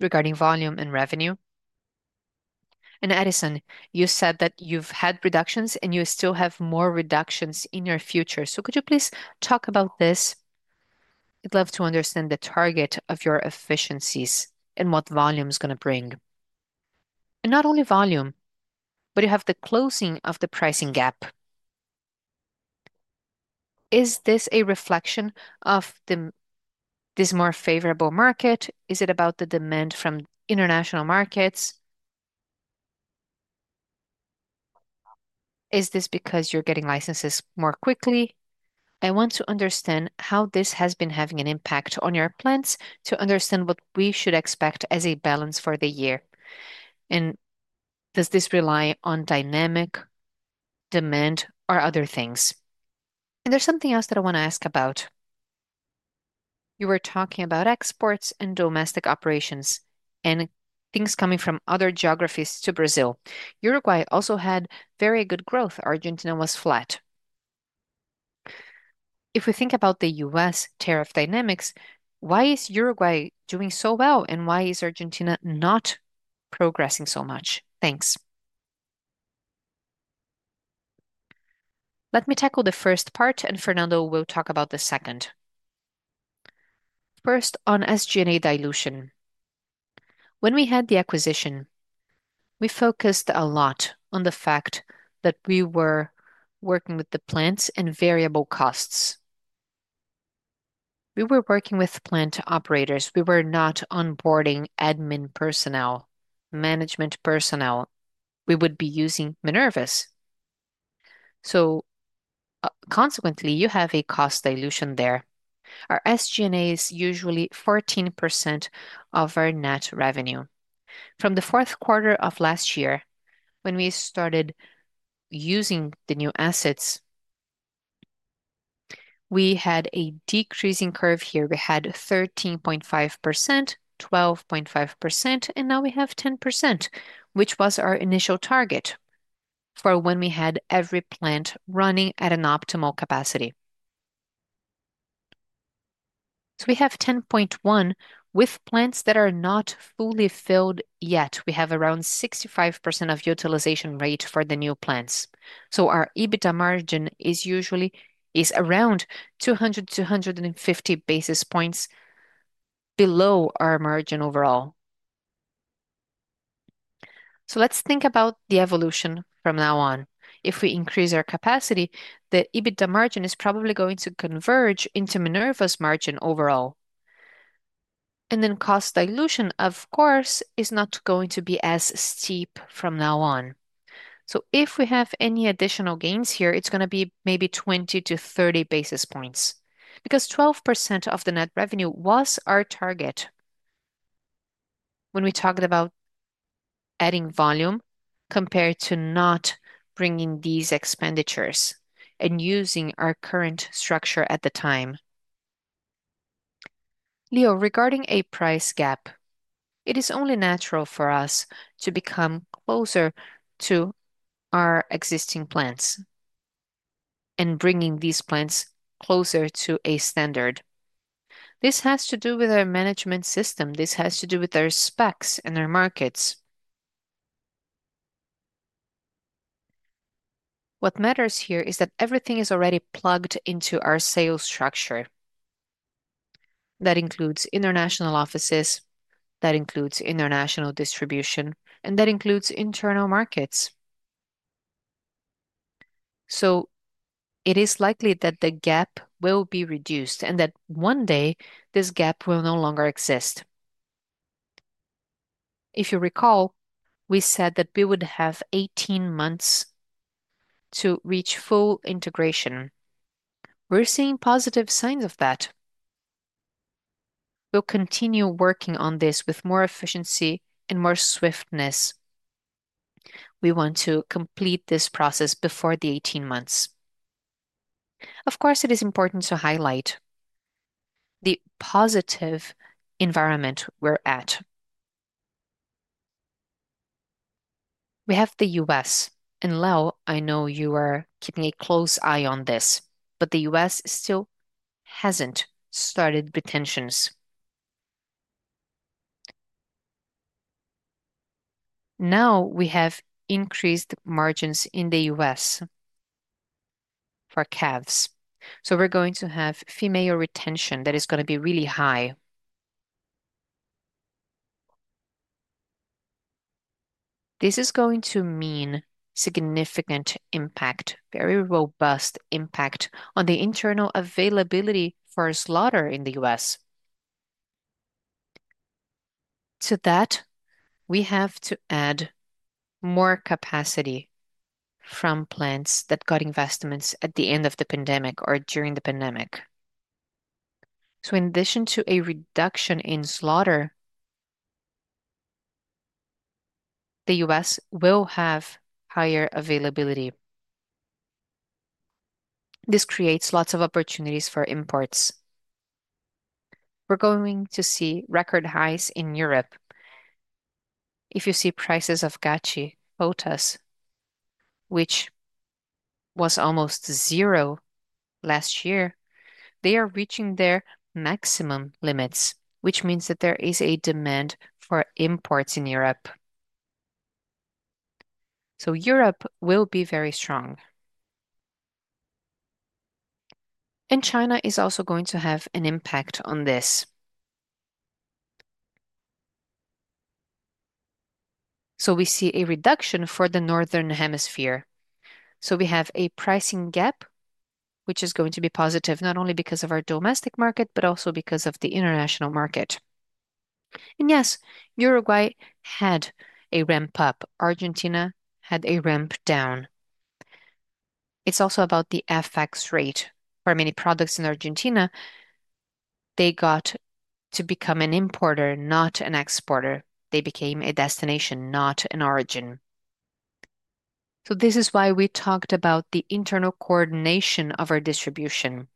regarding volume and revenue? Edison, you said that you've had reductions and you still have more reductions in your future. Could you please talk about this? I'd love to understand the target of your efficiencies and what volume is going to bring. Not only volume, but you have the closing of the pricing gap. Is this a reflection of this more favorable market? Is it about the demand from international markets? Is this because you're getting licenses more quickly? I want to understand how this has been having an impact on your plants to understand what we should expect as a balance for the year. Does this rely on dynamic demand or other things? There's something else that I want to ask about. You were talking about exports and domestic operations and things coming from other geographies to Brazil. Uruguay also had very good growth. Argentina was flat. If we think about the U.S. tariff dynamics, why is Uruguay doing so well and why is Argentina not progressing so much? Thanks. Let me tackle the first part, and Fernando will talk about the second. First, on SG&A dilution. When we had the acquisition, we focused a lot on the fact that we were working with the plants and variable costs. We were working with plant operators. We were not onboarding admin personnel, management personnel. We would be using Minerva's. Consequently, you have a cost dilution there. Our SG&A is usually 14% of our net revenue. From the fourth quarter of last year, when we started using the new assets, we had a decreasing curve here. We had 13.5%, 12.5%, and now we have 10%, which was our initial target for when we had every plant running at an optimal capacity. We have 10.1% with plants that are not fully filled yet. We have around 65% of utilization rate for the new plants. Our EBITDA margin is usually around 200-250 basis points below our margin overall. Let's think about the evolution from now on. If we increase our capacity, the EBITDA margin is probably going to converge into Minerva's margin overall. Cost dilution, of course, is not going to be as steep from now on. If we have any additional gains here, it's going to be maybe 20-30 basis points because 12% of the net revenue was our target when we talked about adding volume compared to not bringing these expenditures and using our current structure at the time. Leo, regarding a price gap, it is only natural for us to become closer to our existing plants and bringing these plants closer to a standard. This has to do with our management system. This has to do with our specs and our markets. What matters here is that everything is already plugged into our sales structure. That includes international offices, that includes international distribution, and that includes internal markets. It is likely that the gap will be reduced and that one day this gap will no longer exist. If you recall, we said that we would have 18 months to reach full integration. We're seeing positive signs of that. We'll continue working on this with more efficiency and more swiftness. We want to complete this process before the 18 months. Of course, it is important to highlight the positive environment we're at. We have the U.S., and Leo, I know you are keeping a close eye on this, but the U.S. still hasn't started retentions. Now we have increased margins in the U.S. for calves. We're going to have female retention that is going to be really high. This is going to mean significant impact, very robust impact on the internal availability for slaughter in the U.S. To that, we have to add more capacity from plants that got investments at the end of the pandemic or during the pandemic. In addition to a reduction in slaughter, the U.S. will have higher availability. This creates lots of opportunities for imports. We're going to see record highs in Europe. If you see prices of GATT, which was almost zero last year, they are reaching their maximum limits, which means that there is a demand for imports in Europe. Europe will be very strong. China is also going to have an impact on this. We see a reduction for the northern hemisphere. We have a pricing gap, which is going to be positive, not only because of our domestic market, but also because of the international market. Yes, Uruguay had a ramp-up. Argentina had a ramp-down. It's also about the FX rate for many products in Argentina. They got to become an importer, not an exporter. They became a destination, not an origin. This is why we talked about the internal coordination of our distribution.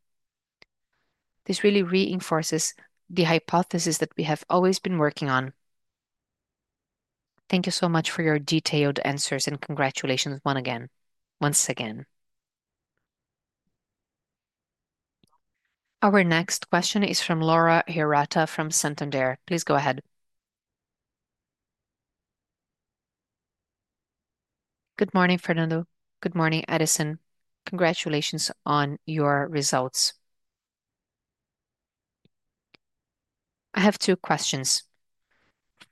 This really reinforces the hypothesis that we have always been working on. Thank you so much for your detailed answers and congratulations once again. Our next question is from Laura Hirata from Santander. Please go ahead. Good morning, Fernando. Good morning, Edison. Congratulations on your results. I have two questions.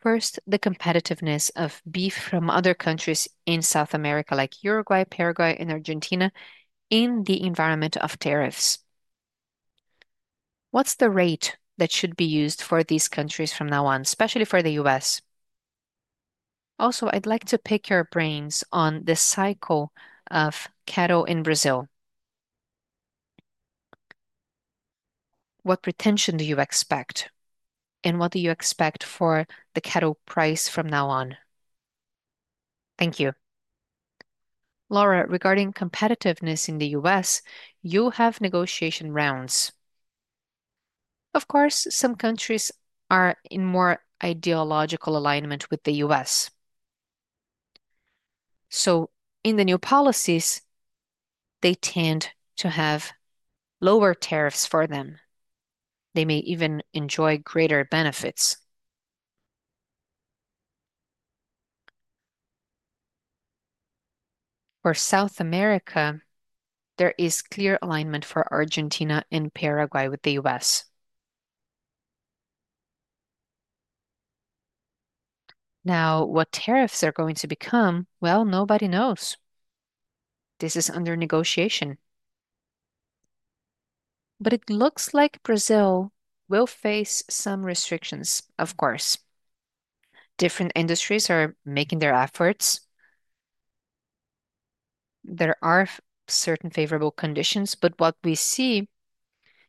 First, the competitiveness of beef from other countries in South America, like Uruguay, Paraguay, and Argentina, in the environment of tariffs. What's the rate that should be used for these countries from now on, especially for the U.S.? Also, I'd like to pick your brains on the cycle of cattle in Brazil. What retention do you expect? What do you expect for the cattle price from now on? Thank you. Laura, regarding competitiveness in the U.S., you have negotiation rounds. Of course, some countries are in more ideological alignment with the U.S. In the new policies, they tend to have lower tariffs for them. They may even enjoy greater benefits. For South America, there is clear alignment for Argentina and Paraguay with the U.S. Now, what tariffs are going to become, nobody knows. This is under negotiation. It looks like Brazil will face some restrictions, of course. Different industries are making their efforts. There are certain favorable conditions, but what we see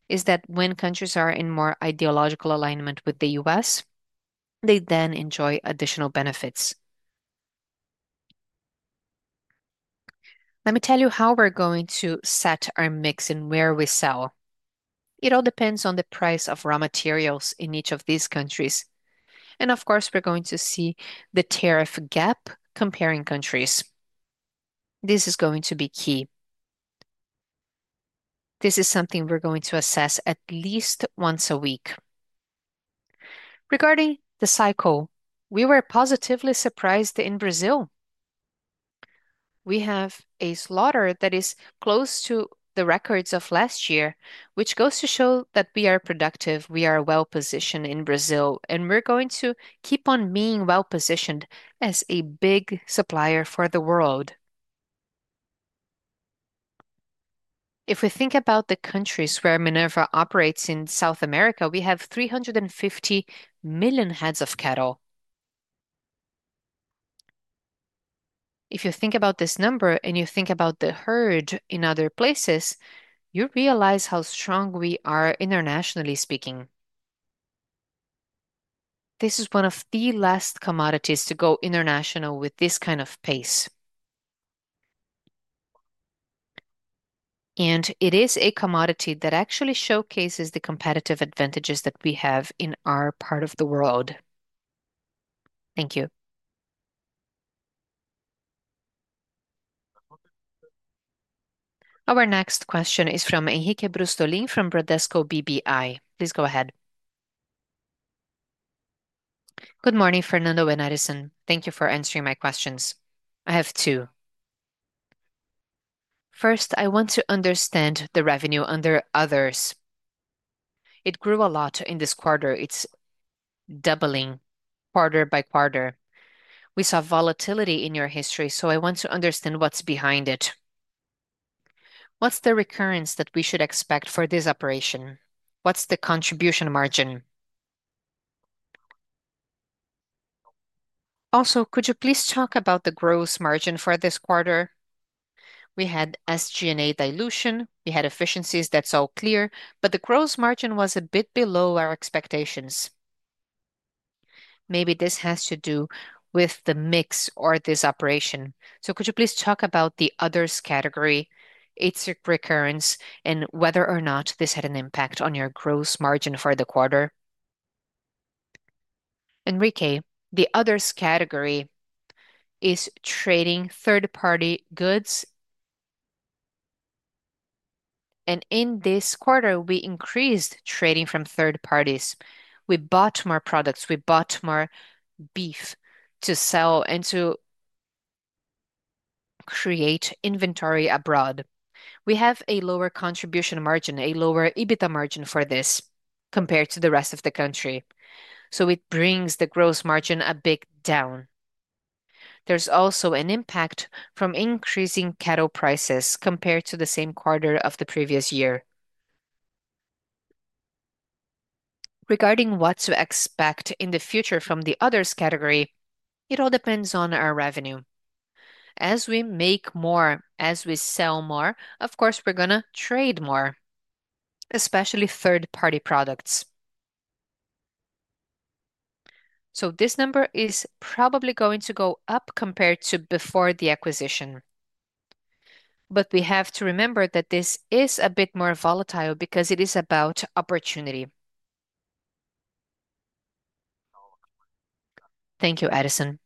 is that when countries are in more ideological alignment with the U.S., they then enjoy additional benefits. Let me tell you how we're going to set our mix and where we sell. It all depends on the price of raw materials in each of these countries. We're going to see the tariff gap comparing countries. This is going to be key. This is something we're going to assess at least once a week. Regarding the cycle, we were positively surprised in Brazil. We have a slaughter that is close to the records of last year, which goes to show that we are productive, we are well-positioned in Brazil, and we're going to keep on being well-positioned as a big supplier for the world. If we think about the countries where Minerva operates in South America, we have 350 million heads of cattle. If you think about this number and you think about the herd in other places, you realize how strong we are internationally speaking. This is one of the last commodities to go international with this kind of pace. It is a commodity that actually showcases the competitive advantages that we have in our part of the world. Thank you. Our next question is from Henrique Brustolin from Bradesco BBI. Please go ahead. Good morning, Fernando and Edison. Thank you for answering my questions. I have two. First, I want to understand the revenue under others. It grew a lot in this quarter. It's doubling quarter by quarter. We saw volatility in your history, so I want to understand what's behind it. What's the recurrence that we should expect for this operation? What's the contribution margin? Also, could you please talk about the gross margin for this quarter? We had SG&A dilution. We had efficiencies. That's all clear. The gross margin was a bit below our expectations. Maybe this has to do with the mix or this operation. Could you please talk about the others category, its recurrence, and whether or not this had an impact on your gross margin for the quarter? Henrique, the others category is trading third-party goods. In this quarter, we increased trading from third parties. We bought more products. We bought more beef to sell and to create inventory abroad. We have a lower contribution margin, a lower EBITDA margin for this compared to the rest of the company. It brings the gross margin a bit down. There's also an impact from increasing cattle prices compared to the same quarter of the previous year. Regarding what to expect in the future from the others category, it all depends on our revenue. As we make more, as we sell more, of course, we're going to trade more, especially third-party products. This number is probably going to go up compared to before the acquisition. We have to remember that this is a bit more volatile because it is about opportunity. Thank you, Edison.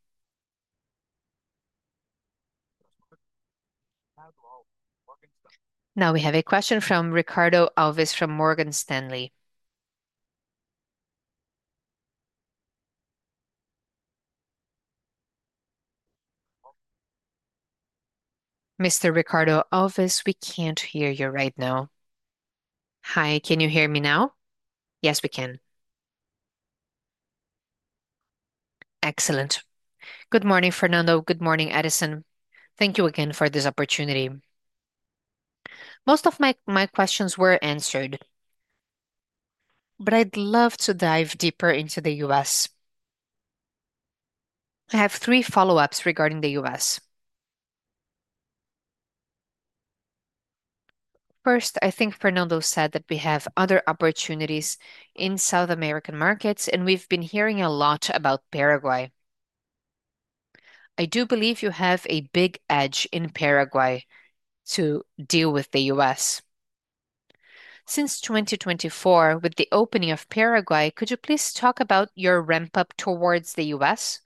Now we have a question from Ricardo Alves from Morgan Stanley. Mr. Ricardo Alves, we can't hear you right now. Hi, can you hear me now? Yes, we can. Excellent. Good morning, Fernando. Good morning, Edison. Thank you again for this opportunity. Most of my questions were answered, but I'd love to dive deeper into the U.S. I have three follow-ups regarding the U.S. First, I think Fernando said that we have other opportunities in South American markets, and we've been hearing a lot about Paraguay. I do believe you have a big edge in Paraguay to deal with the U.S. Since 2024, with the opening of Paraguay, could you please talk about your ramp-up towards the U.S.?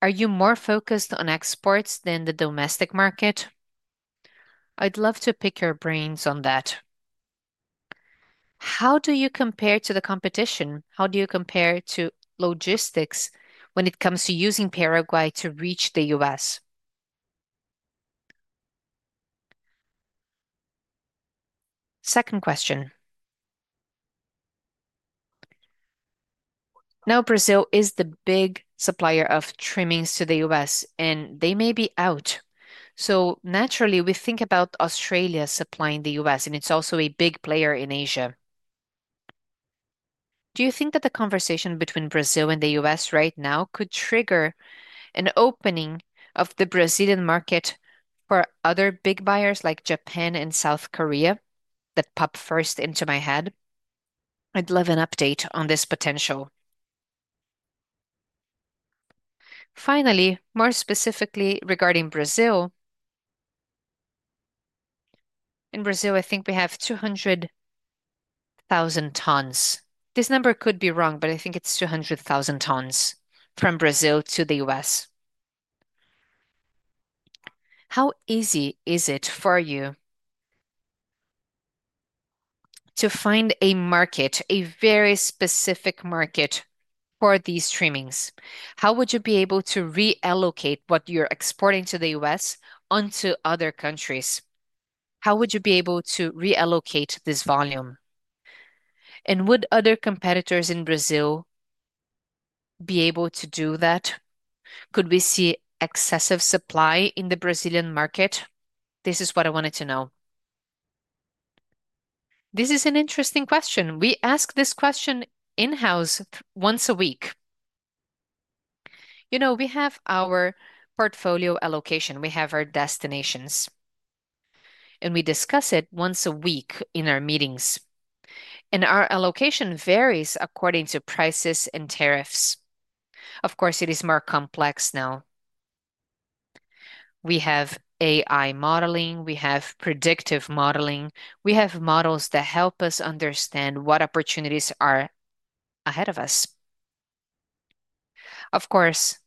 Are you more focused on exports than the domestic market? I'd love to pick your brains on that. How do you compare to the competition? How do you compare to logistics when it comes to using Paraguay to reach the U.S.? Second question. Now, Brazil is the big supplier of trimmings to the U.S., and they may be out. Naturally, we think about Australia supplying the U.S., and it's also a big player in Asia. Do you think that the conversation between Brazil and the U.S. right now could trigger an opening of the Brazilian market for other big buyers like Japan and South Korea? That popped first into my head. I'd love an update on this potential. Finally, more specifically regarding Brazil, in Brazil, I think we have 200,000 tons. This number could be wrong, but I think it's 200,000 tons from Brazil to the U.S. How easy is it for you to find a market, a very specific market for these trimmings? How would you be able to reallocate what you're exporting to the U.S. onto other countries? How would you be able to reallocate this volume? Would other competitors in Brazil be able to do that? Could we see excessive supply in the Brazilian market? This is what I wanted to know. This is an interesting question. We ask this question in-house once a week. We have our portfolio allocation. We have our destinations. We discuss it once a week in our meetings. Our allocation varies according to prices and tariffs. Of course, it is more complex now. We have AI modeling. We have predictive modeling. We have models that help us understand what opportunities are ahead of us. Of course,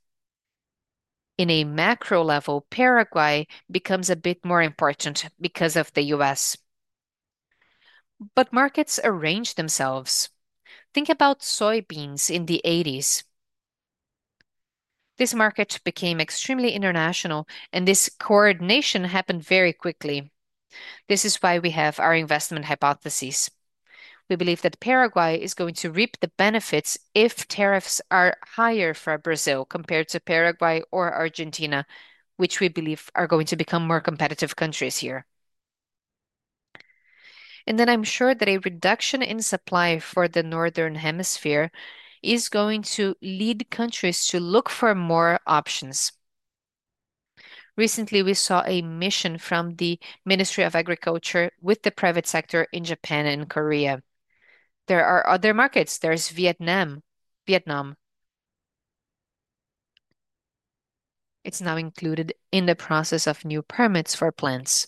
in a macro level, Paraguay becomes a bit more important because of the U.S. Markets arrange themselves. Think about soybeans in the 1980s. This market became extremely international, and this coordination happened very quickly. This is why we have our investment hypotheses. We believe that Paraguay is going to reap the benefits if tariffs are higher for Brazil compared to Paraguay or Argentina, which we believe are going to become more competitive countries here. I'm sure that a reduction in supply for the northern hemisphere is going to lead countries to look for more options. Recently, we saw a mission from the Ministry of Agriculture with the private sector in Japan and Korea. There are other markets. There's Vietnam. It's now included in the process of new permits for plants.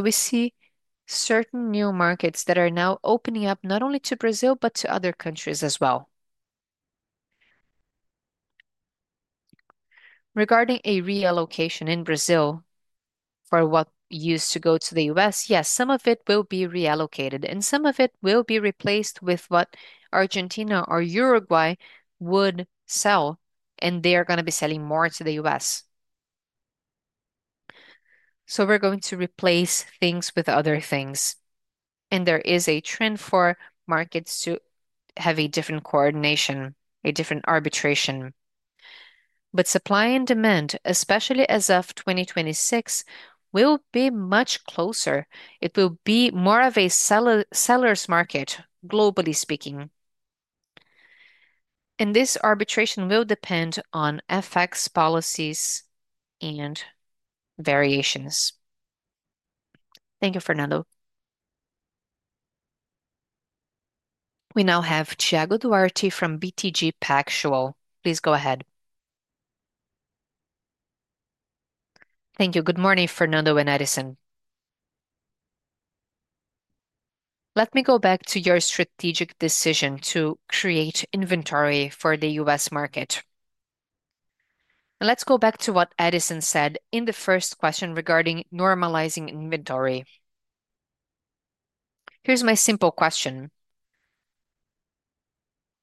We see certain new markets that are now opening up not only to Brazil, but to other countries as well. Regarding a reallocation in Brazil for what used to go to the U.S., yes, some of it will be reallocated, and some of it will be replaced with what Argentina or Uruguay would sell, and they are going to be selling more to the U.S. We're going to replace things with other things. There is a trend for markets to have a different coordination, a different arbitration. Supply and demand, especially as of 2026, will be much closer. It will be more of a seller's market, globally speaking. This arbitration will depend on FX policies and variations. Thank you, Fernando. We now have Thiago Duarte from BTG Pactual. Please go ahead. Thank you. Good morning, Fernando and Edison. Let me go back to your strategic decision to create inventory for the U.S. market. Let's go back to what Edison said in the first question regarding normalizing inventory. Here's my simple question.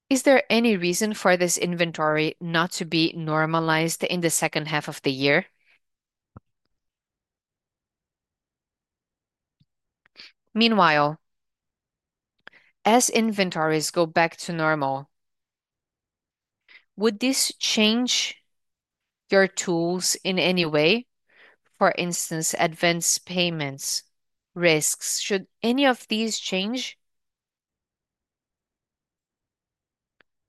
Is there any reason for this inventory not to be normalized in the second half of the year? Meanwhile, as inventories go back to normal, would this change your tools in any way? For instance, advanced payments, risks, should any of these change?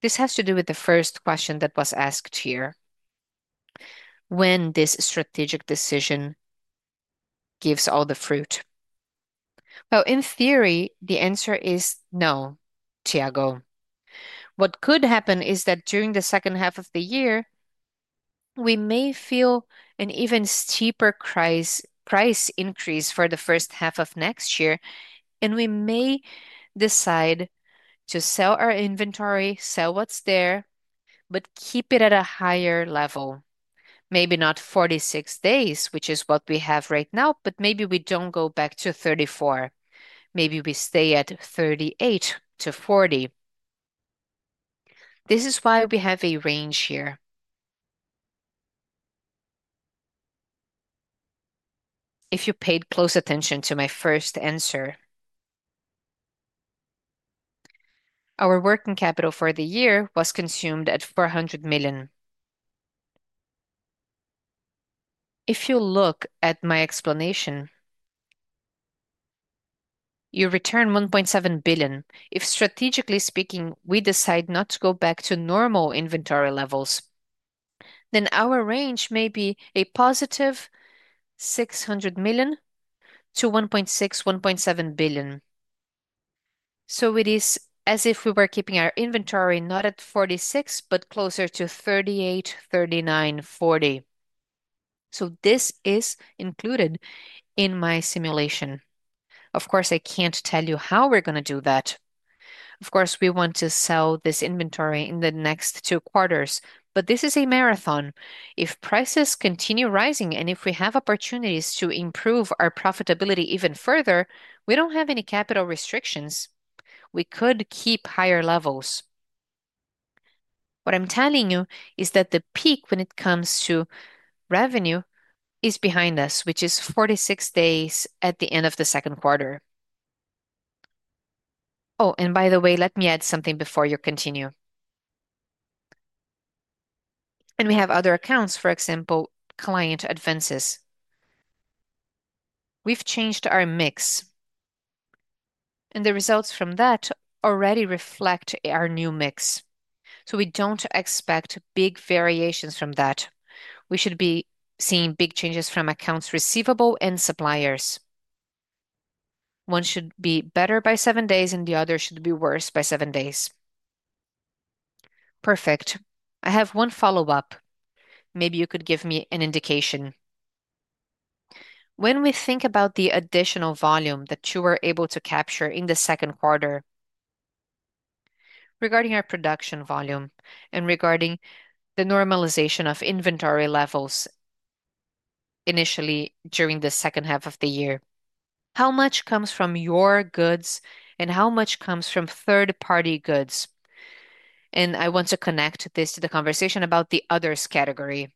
This has to do with the first question that was asked here. When does this strategic decision give all the fruit? In theory, the answer is no, Thiago. What could happen is that during the second half of the year, we may feel an even steeper price increase for the first half of next year, and we may decide to sell our inventory, sell what's there, or keep it at a higher level. Maybe not 46 days, which is what we have right now, but maybe we don't go back to 34. Maybe we stay at 38-40. This is why we have a range here. If you paid close attention to my first answer, our working capital for the year was consumed at $400 million. If you look at my explanation, you return $1.7 billion. If, strategically speaking, we decide not to go back to normal inventory levels, then our range may be a positive $600 million to $1.6 billion, $1.7 billion. It is as if we were keeping our inventory not at 46, but closer to 38, 39, 40. This is included in my simulation. Of course, I can't tell you how we're going to do that. Of course, we want to sell this inventory in the next two quarters, but this is a marathon. If prices continue rising and if we have opportunities to improve our profitability even further, we don't have any capital restrictions. We could keep higher levels. What I'm telling you is that the peak when it comes to revenue is behind us, which is 46 days at the end of the second quarter. Oh, and by the way, let me add something before you continue. We have other accounts, for example, client advances. We've changed our mix, and the results from that already reflect our new mix. We don't expect big variations from that. We should be seeing big changes from accounts receivable and suppliers. One should be better by seven days, and the other should be worse by seven days. Perfect. I have one follow-up. Maybe you could give me an indication. When we think about the additional volume that you were able to capture in the second quarter, regarding our production volume and regarding the normalization of inventory levels initially during the second half of the year, how much comes from your goods and how much comes from third-party goods? I want to connect this to the conversation about the others category.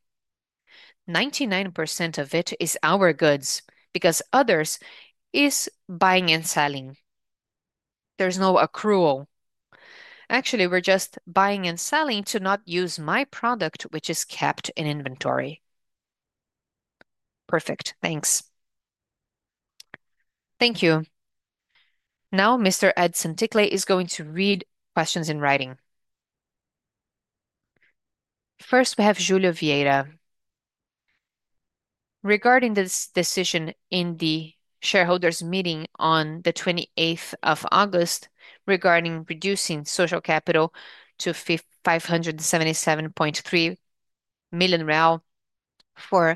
99% of it is our goods because others are buying and selling. There's no accrual. Actually, we're just buying and selling to not use my product, which is kept in inventory. Perfect. Thanks. Thank you. Now, Mr. Edison Ticle is going to read questions in writing. First, we have Julia Vieira. "Regarding this decision in the shareholders' meeting on the 28th of August regarding reducing social capital to $577.3 million reals for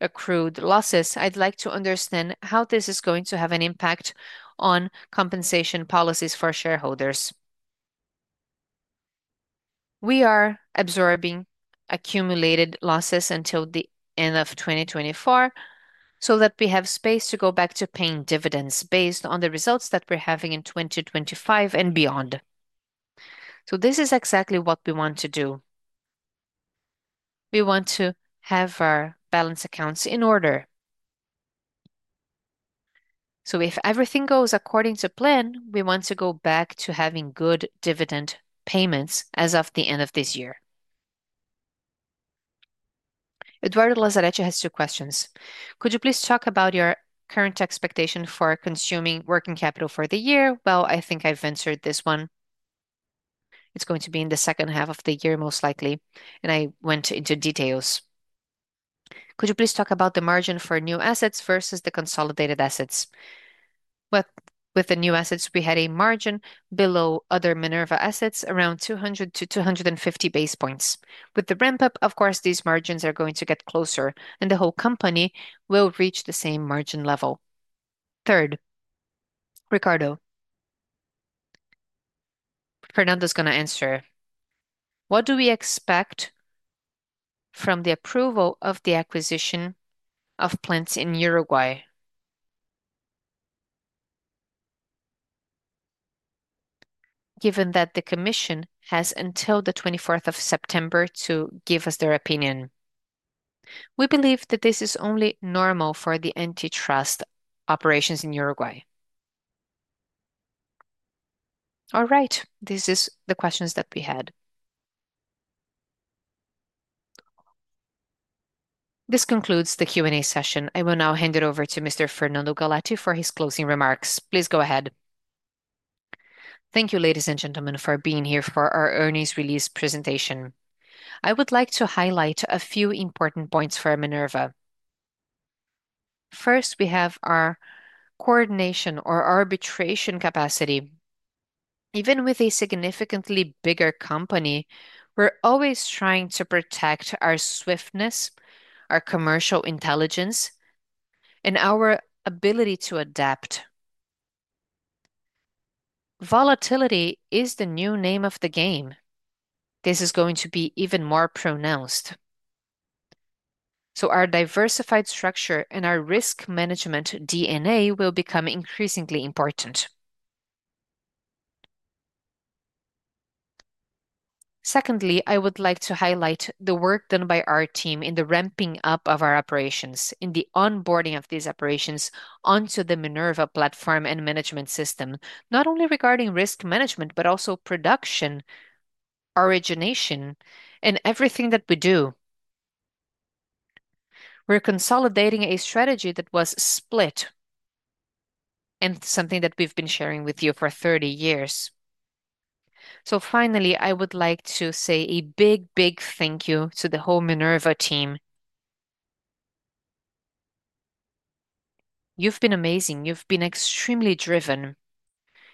accrued losses. I'd like to understand how this is going to have an impact on compensation policies for shareholders." We are absorbing accumulated losses until the end of 2024 so that we have space to go back to paying dividends based on the results that we're having in 2025 and beyond. This is exactly what we want to do. We want to have our balance accounts in order. If everything goes according to plan, we want to go back to having good dividend payments as of the end of this year. Eduardo Lazaretti has two questions. "Could you please talk about your current expectation for consuming working capital for the year?" I think I've answered this one. It's going to be in the second half of the year, most likely, and I went into details. Could you please talk about the margin for new assets versus the consolidated assets? With the new assets, we had a margin below other Minerva assets, around 200-250 basis points. With the ramp-up, these margins are going to get closer, and the whole company will reach the same margin level. Third, Ricardo, Fernando is going to answer. What do we expect from the approval of the acquisition of plants in Uruguay? Given that the commission has until the 24th of September to give us their opinion, we believe that this is only normal for the antitrust operations in Uruguay. All right. These are the questions that we had. This concludes the Q&A session. I will now hand it over to Mr. Fernando Galletti for his closing remarks. Please go ahead. Thank you, ladies and gentlemen, for being here for our earnings release presentation. I would like to highlight a few important points for Minerva. First, we have our coordination or arbitration capacity. Even with a significantly bigger company, we're always trying to protect our swiftness, our commercial intelligence, and our ability to adapt. Volatility is the new name of the game. This is going to be even more pronounced. Our diversified structure and our risk management DNA will become increasingly important. Secondly, I would like to highlight the work done by our team in the ramping up of our operations, in the onboarding of these operations onto the Minerva platform and management system, not only regarding risk management, but also production, origination, and everything that we do. We're consolidating a strategy that was split and something that we've been sharing with you for 30 years. Finally, I would like to say a big, big thank you to the whole Minerva team. You've been amazing. You've been extremely driven.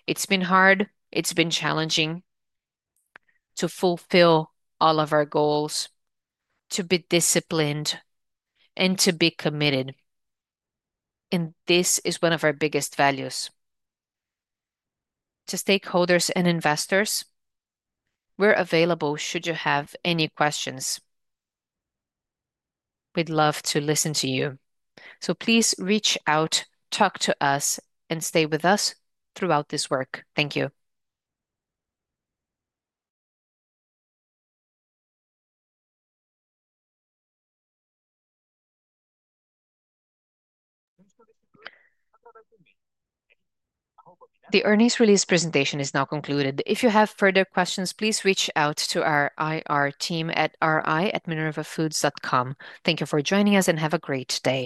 It's been hard. It's been challenging to fulfill all of our goals, to be disciplined, and to be committed. This is one of our biggest values. To stakeholders and investors, we're available should you have any questions. We'd love to listen to you. Please reach out, talk to us, and stay with us throughout this work. Thank you. The earnings release presentation is now concluded. If you have further questions, please reach out to our IR team at ri@minervafoods.com. Thank you for joining us and have a great day.